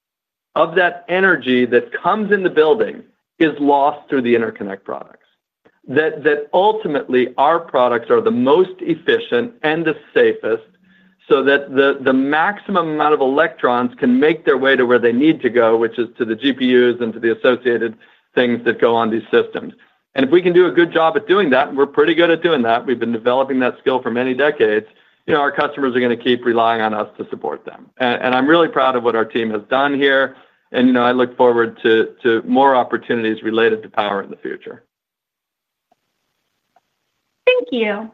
of that energy that comes in the building is lost through the interconnect products, that ultimately our products are the most efficient and the safest so that the maximum amount of electrons can make their way to where they need to go, which is to the GPUs and to the associated things that go on these systems. If we can do a good job at doing that, and we're pretty good at doing that, we've been developing that skill for many decades, our customers are going to keep relying on us to support them. I'm really proud of what our team has done here. I look forward to more opportunities related to power in the future. Thank you.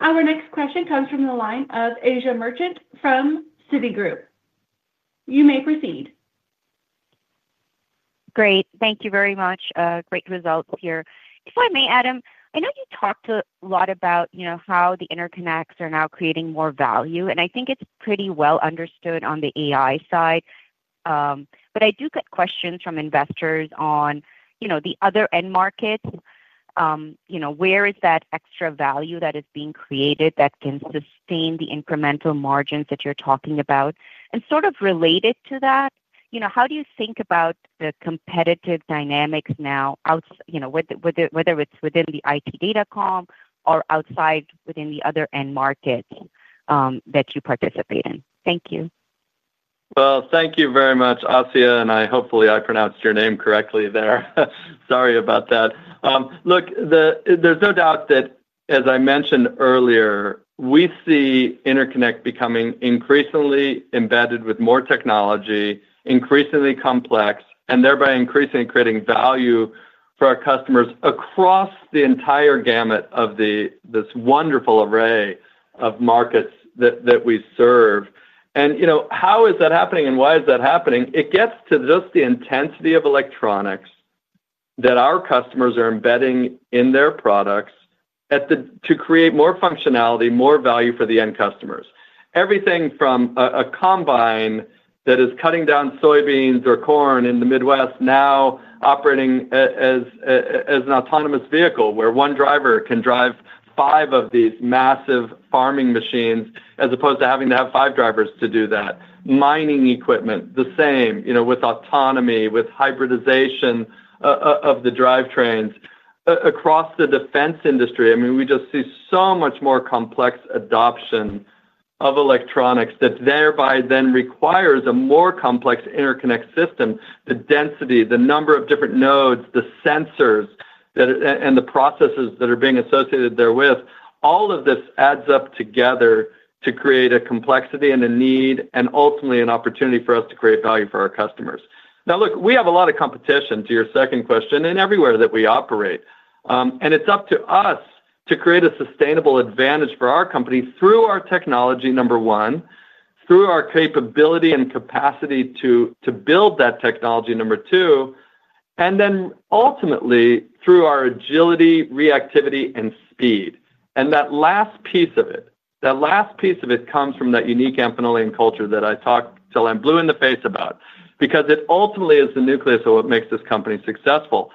Our next question comes from the line of Asiya Merchant from Citigroup. You may proceed. Great. Thank you very much. Great results here. If I may, Adam, I know you talked a lot about how the interconnects are now creating more value. I think it's pretty well understood on the AI side. I do get questions from investors on the other end markets. You know, where is that extra value that is being created that can sustain the incremental margins that you're talking about? Sort of related to that, how do you think about the competitive dynamics now, whether it's within the IT Data Comm or outside within the other end markets that you participate in? Thank you. Thank you very much, Asiya. Hopefully, I pronounced your name correctly there. Sorry about that. Look, there's no doubt that, as I mentioned earlier, we see interconnect becoming increasingly embedded with more technology, increasingly complex, and thereby increasingly creating value for our customers across the entire gamut of this wonderful array of markets that we serve. You know, how is that happening and why is that happening? It gets to just the intensity of electronics that our customers are embedding in their products to create more functionality, more value for the end customers. Everything from a combine that is cutting down soybeans or corn in the Midwest now operating as an autonomous vehicle where one driver can drive five of these massive farming machines as opposed to having to have five drivers to do that. Mining equipment, the same, with autonomy, with hybridization of the drivetrains. Across the defense industry, we just see so much more complex adoption of electronics that thereby then requires a more complex interconnect system. The density, the number of different nodes, the sensors, and the processes that are being associated therewith, all of this adds up together to create a complexity and a need and ultimately an opportunity for us to create value for our customers. We have a lot of competition to your second question and everywhere that we operate. It's up to us to create a sustainable advantage for our company through our technology, number one, through our capability and capacity to build that technology, number two, and then ultimately through our agility, reactivity, and speed. That last piece of it, that last piece of it comes from that unique Amphenolian culture that I talk till I'm blue in the face about because it ultimately is the nucleus of what makes this company successful.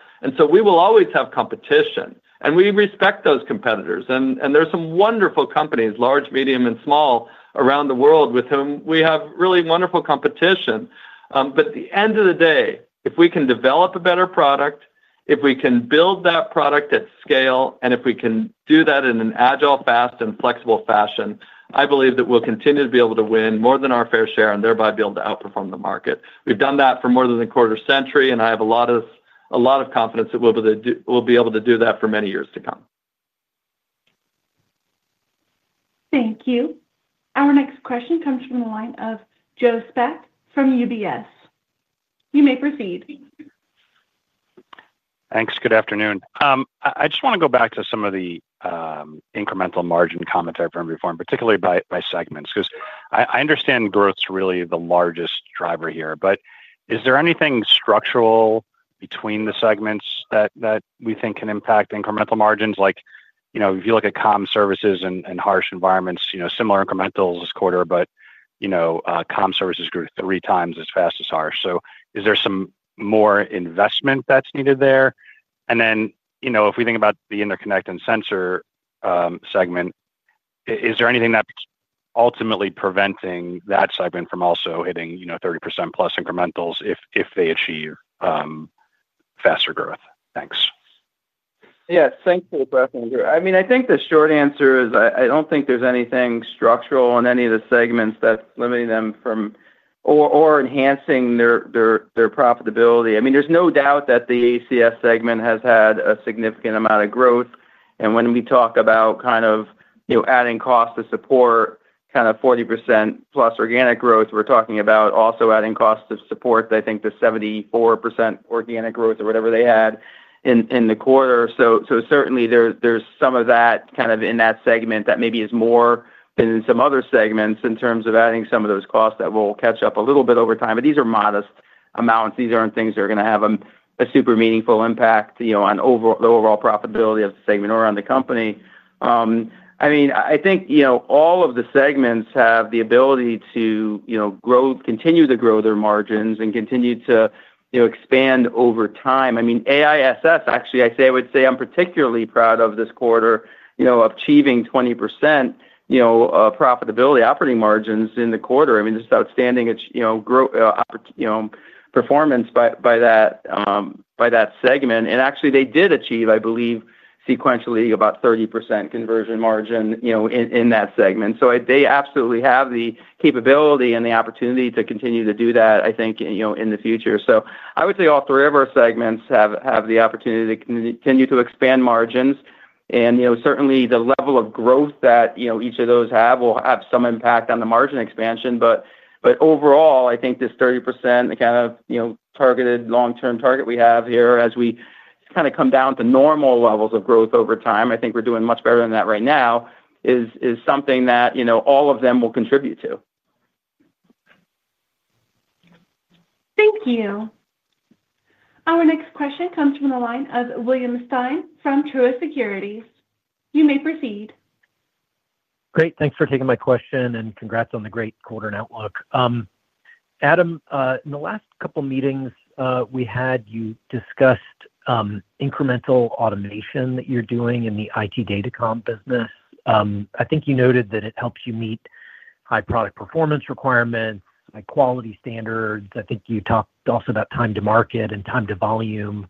We will always have competition, and we respect those competitors. There are some wonderful companies, large, medium, and small around the world with whom we have really wonderful competition. At the end of the day, if we can develop a better product, if we can build that product at scale, and if we can do that in an agile, fast, and flexible fashion, I believe that we'll continue to be able to win more than our fair share and thereby be able to outperform the market. We've done that for more than a quarter century, and I have a lot of confidence that we'll be able to do that for many years to come. Thank you. Our next question comes from the line of Joe Spak from UBS. You may proceed. Thanks. Good afternoon. I just want to go back to some of the incremental margin commentary from every form, particularly by segments, because I understand growth is really the largest driver here. Is there anything structural between the segments that we think can impact incremental margins? Like, you know, if you look at comm services and harsh environments, you know, similar incrementals this quarter, but comm services grew three times as fast as harsh. Is there some more investment that's needed there? If we think about the interconnect and sensor segment, is there anything that's ultimately preventing that segment from also hitting, you know, 30%+ incrementals if they achieve faster growth? Thanks. Thanks for the question, Joe. I mean, I think the short answer is I don't think there's anything structural in any of the segments that's limiting them from or enhancing their profitability. I mean, there's no doubt that the ACS segment has had a significant amount of growth. When we talk about kind of adding cost to support kind of 40%+ organic growth, we're talking about also adding cost to support, I think, the 74% organic growth or whatever they had in the quarter. Certainly, there's some of that in that segment that maybe is more than some other segments in terms of adding some of those costs that will catch up a little bit over time. These are modest amounts. These aren't things that are going to have a super meaningful impact on the overall profitability of the segment or on the company. I think all of the segments have the ability to continue to grow their margins and continue to expand over time. AISS, actually, I would say I'm particularly proud of this quarter, achieving 20% profitability operating margins in the quarter. Just outstanding performance by that segment. Actually, they did achieve, I believe, sequentially about 30% conversion margin in that segment. They absolutely have the capability and the opportunity to continue to do that, I think, in the future. I would say all three of our segments have the opportunity to continue to expand margins. Certainly, the level of growth that each of those have will have some impact on the margin expansion. Overall, I think this 30%, the kind of targeted long-term target we have here as we come down to normal levels of growth over time, I think we're doing much better than that right now, is something that all of them will contribute to. Thank you. Our next question comes from the line of William Stein from Truist Securities. You may proceed. Great. Thanks for taking my question and congrats on the great quarter and outlook. Adam, in the last couple of meetings we had, you discussed incremental automation that you're doing in the IT Data Comm business. I think you noted that it helps you meet high product performance requirements, high quality standards. I think you talked also about time to market and time to volume.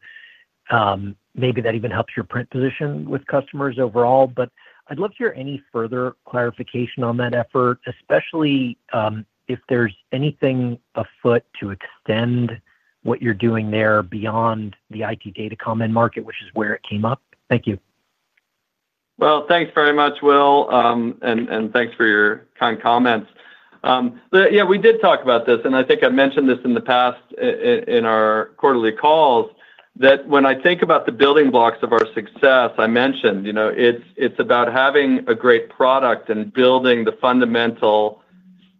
Maybe that even helps your print position with customers overall. I'd love to hear any further clarification on that effort, especially if there's anything afoot to extend what you're doing there beyond the IT Data Comm end market, which is where it came up. Thank you. Thanks very much, Will. Thanks for your kind comments. Yeah, we did talk about this. I think I mentioned this in the past in our quarterly calls, that when I think about the building blocks of our success, I mentioned, you know, it's about having a great product and building the fundamental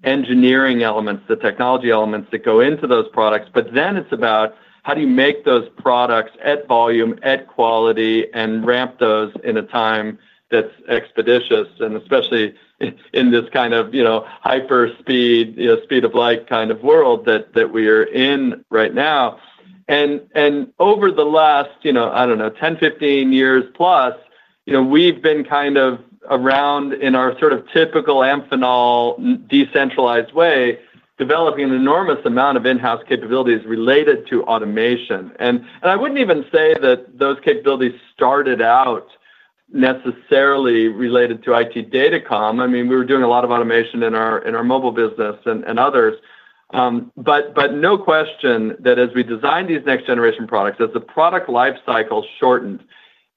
engineering elements, the technology elements that go into those products. Then it's about how do you make those products at volume, at quality, and ramp those in a time that's expeditious, especially in this kind of, you know, hyper speed, you know, speed of light kind of world that we are in right now. Over the last, you know, I don't know, 10, 15+ years, you know, we've been kind of around in our sort of typical Amphenol decentralized way, developing an enormous amount of in-house capabilities related to automation. I wouldn't even say that those capabilities started out necessarily related to IT Data Comm. I mean, we were doing a lot of automation in our mobile business and others. No question that as we designed these next-generation products, as the product lifecycle shortened,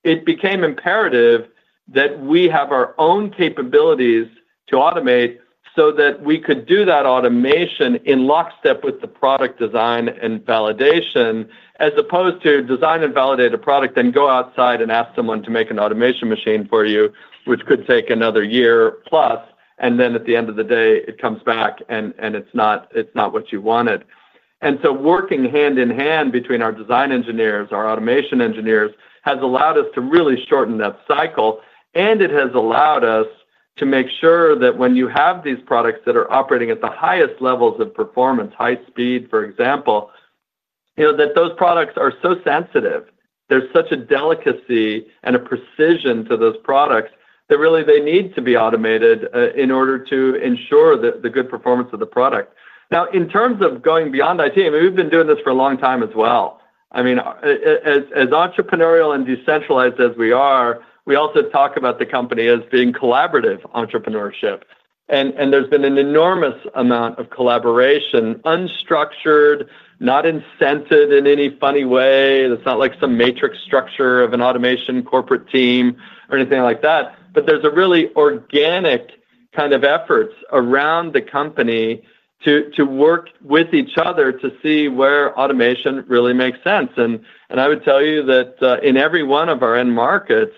it became imperative that we have our own capabilities to automate so that we could do that automation in lockstep with the product design and validation, as opposed to design and validate a product, then go outside and ask someone to make an automation machine for you, which could take another year plus. At the end of the day, it comes back and it's not what you wanted. Working hand in hand between our design engineers, our automation engineers has allowed us to really shorten that cycle. It has allowed us to make sure that when you have these products that are operating at the highest levels of performance, high speed, for example, you know, that those products are so sensitive. There's such a delicacy and a precision to those products that really they need to be automated in order to ensure the good performance of the product. Now, in terms of going beyond IT, I mean, we've been doing this for a long time as well. As entrepreneurial and decentralized as we are, we also talk about the company as being collaborative entrepreneurship. There's been an enormous amount of collaboration, unstructured, not incented in any funny way. It's not like some matrix structure of an automation corporate team or anything like that. There's a really organic kind of effort around the company to work with each other to see where automation really makes sense. I would tell you that in every one of our end markets,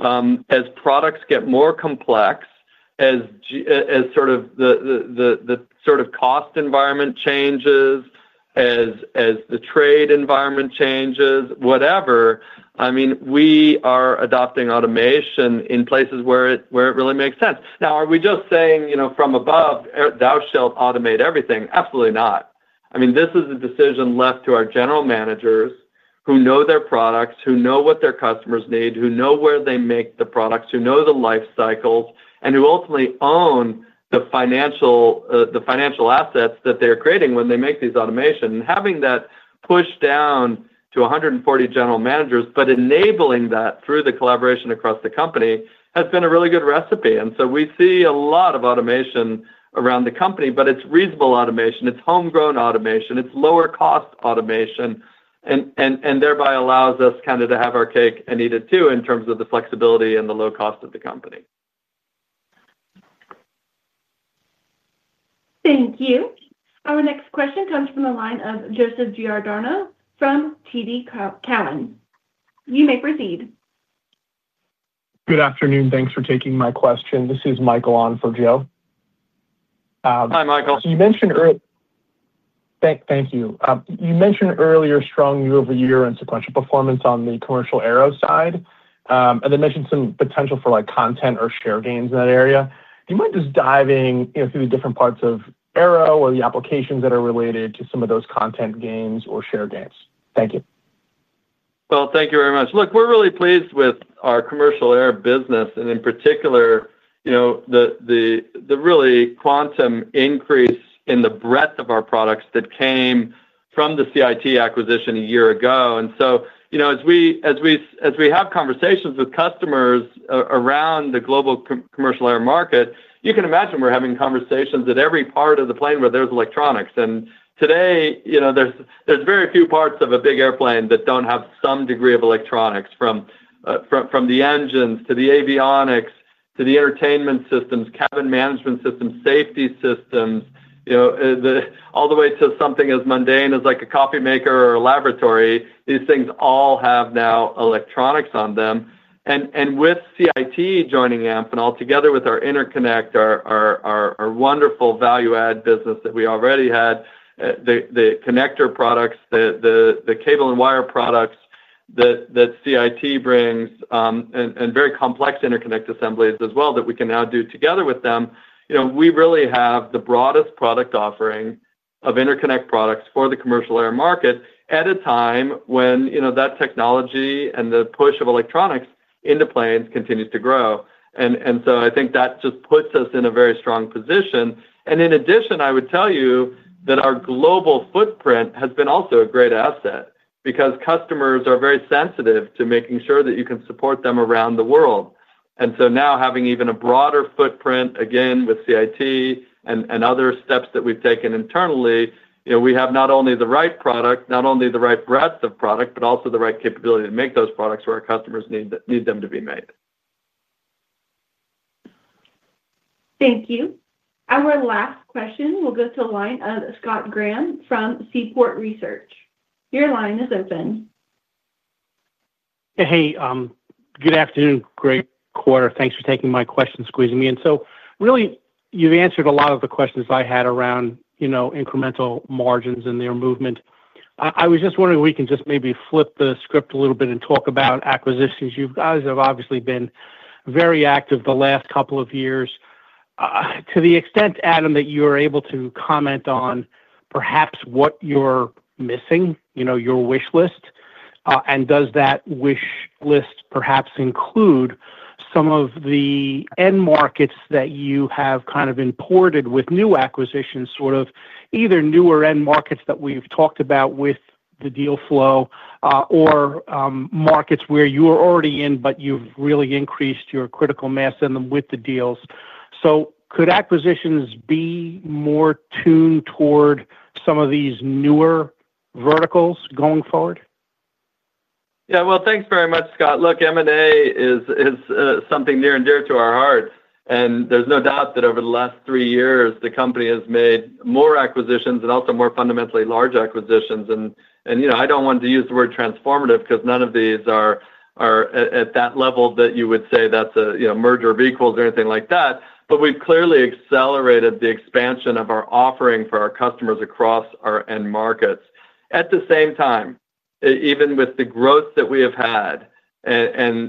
as products get more complex, as the sort of cost environment changes, as the trade environment changes, whatever, we are adopting automation in places where it really makes sense. Now, are we just saying, you know, from above, thou shalt automate everything? Absolutely not. This is a decision left to our general managers who know their products, who know what their customers need, who know where they make the products, who know the life cycles, and who ultimately own the financial assets that they're creating when they make these automations. Having that push down to 140 general managers, but enabling that through the collaboration across the company, has been a really good recipe. We see a lot of automation around the company, but it's reasonable automation. It's homegrown automation. It's lower cost automation and thereby allows us to have our cake and eat it too in terms of the flexibility and the low cost of the company. Thank you. Our next question comes from the line of Joseph Giordano from TD Cowen. You may proceed. Good afternoon. Thanks for taking my question. This is Michael on for Joe. Hi, Michael. Thank you. You mentioned earlier strong year-over-year and sequential performance on the commercial aerospace side, and then mentioned some potential for like content or share gains in that area. Do you mind just diving through the different parts of aerospace or the applications that are related to some of those content gains or share gains? Thank you. Thank you very much. We're really pleased with our commercial air business, and in particular, the really quantum increase in the breadth of our products that came from the CIT acquisition a year ago. As we have conversations with customers around the global commercial air market, you can imagine we're having conversations at every part of the plane where there's electronics. Today, there's very few parts of a big airplane that don't have some degree of electronics, from the engines to the avionics to the entertainment systems, cabin management systems, safety systems, all the way to something as mundane as a coffee maker or a lavatory. These things all have now electronics on them. With CIT joining Amphenol, together with our interconnect, our wonderful value-add business that we already had, the connector products, the cable and wire products that CIT brings, and very complex interconnect assemblies as well that we can now do together with them, we really have the broadest product offering of interconnect products for the commercial air market at a time when that technology and the push of electronics into planes continues to grow. I think that just puts us in a very strong position. In addition, I would tell you that our global footprint has been also a great asset because customers are very sensitive to making sure that you can support them around the world. Now having even a broader footprint, again, with CIT and other steps that we've taken internally, we have not only the right product, not only the right breadth of product, but also the right capability to make those products where our customers need them to be made. Thank you. Our last question will go to the line of Scott Graham from Seaport Research. Your line is open. Hey, good afternoon. Great quarter. Thanks for taking my question, squeezing me in. You've answered a lot of the questions I had around incremental margins and their movement. I was just wondering if we can maybe flip the script a little bit and talk about acquisitions. You guys have obviously been very active the last couple of years. To the extent, Adam, that you are able to comment on perhaps what you're missing, your wish list, and does that wish list perhaps include some of the end markets that you have kind of imported with new acquisitions, either newer end markets that we've talked about with the deal flow, or markets where you are already in, but you've really increased your critical mass in them with the deals? Could acquisitions be more tuned toward some of these newer verticals going forward? Yeah, thanks very much, Scott. M&A is something near and dear to our hearts. There's no doubt that over the last three years, the company has made more acquisitions and also more fundamentally large acquisitions. I don't want to use the word transformative because none of these are at that level that you would say that's a merger of equals or anything like that. We've clearly accelerated the expansion of our offering for our customers across our end markets. At the same time, even with the growth that we have had and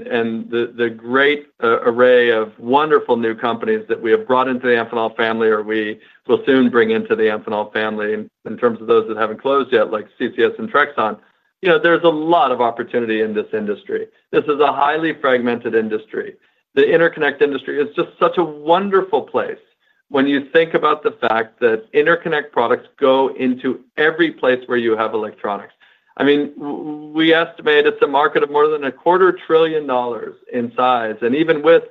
the great array of wonderful new companies that we have brought into the Amphenol family or we will soon bring into the Amphenol family in terms of those that haven't closed yet, like CCS and Trexon, there's a lot of opportunity in this industry. This is a highly fragmented industry. The interconnect industry is just such a wonderful place when you think about the fact that interconnect products go into every place where you have electronics. I mean, we estimate it's a market of more than a quarter trillion dollars in size. Even with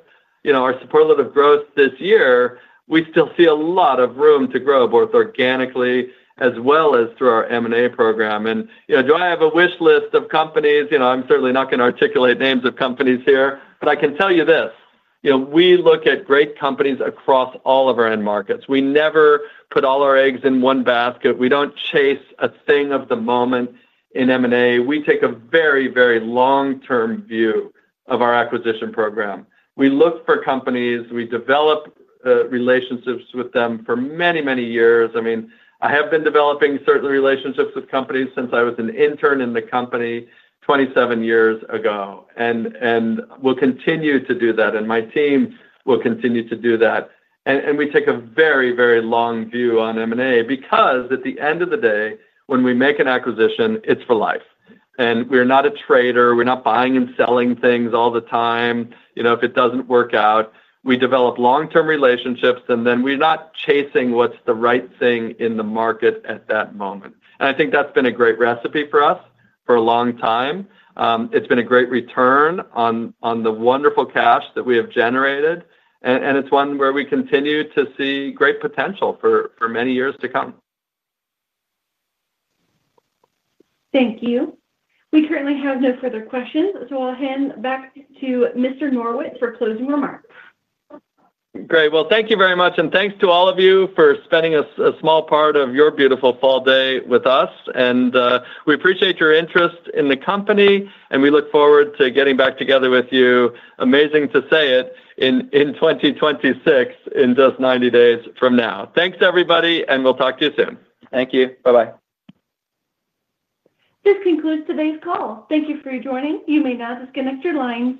our superlative growth this year, we still see a lot of room to grow both organically as well as through our M&A program. Do I have a wish list of companies? I'm certainly not going to articulate names of companies here, but I can tell you this. We look at great companies across all of our end markets. We never put all our eggs in one basket. We don't chase a thing of the moment in M&A. We take a very, very long-term view of our acquisition program. We look for companies. We develop relationships with them for many, many years. I have been developing certainly relationships with companies since I was an intern in the company 27 years ago. We'll continue to do that, and my team will continue to do that. We take a very, very long view on M&A because, at the end of the day, when we make an acquisition, it's for life. We're not a trader. We're not buying and selling things all the time. If it doesn't work out, we develop long-term relationships, and we're not chasing what's the right thing in the market at that moment. I think that's been a great recipe for us for a long time. It's been a great return on the wonderful cash that we have generated, and it's one where we continue to see great potential for many years to come. Thank you. We currently have no further questions, so I'll hand back to Mr. Norwitt for closing remarks. Thank you very much, and thanks to all of you for spending a small part of your beautiful fall day with us. We appreciate your interest in the company, and we look forward to getting back together with you, amazing to say it, in 2026, in just 90 days from now. Thanks, everybody, and we'll talk to you soon. Thank you. Bye-bye. This concludes today's call. Thank you for joining. You may now disconnect your lines.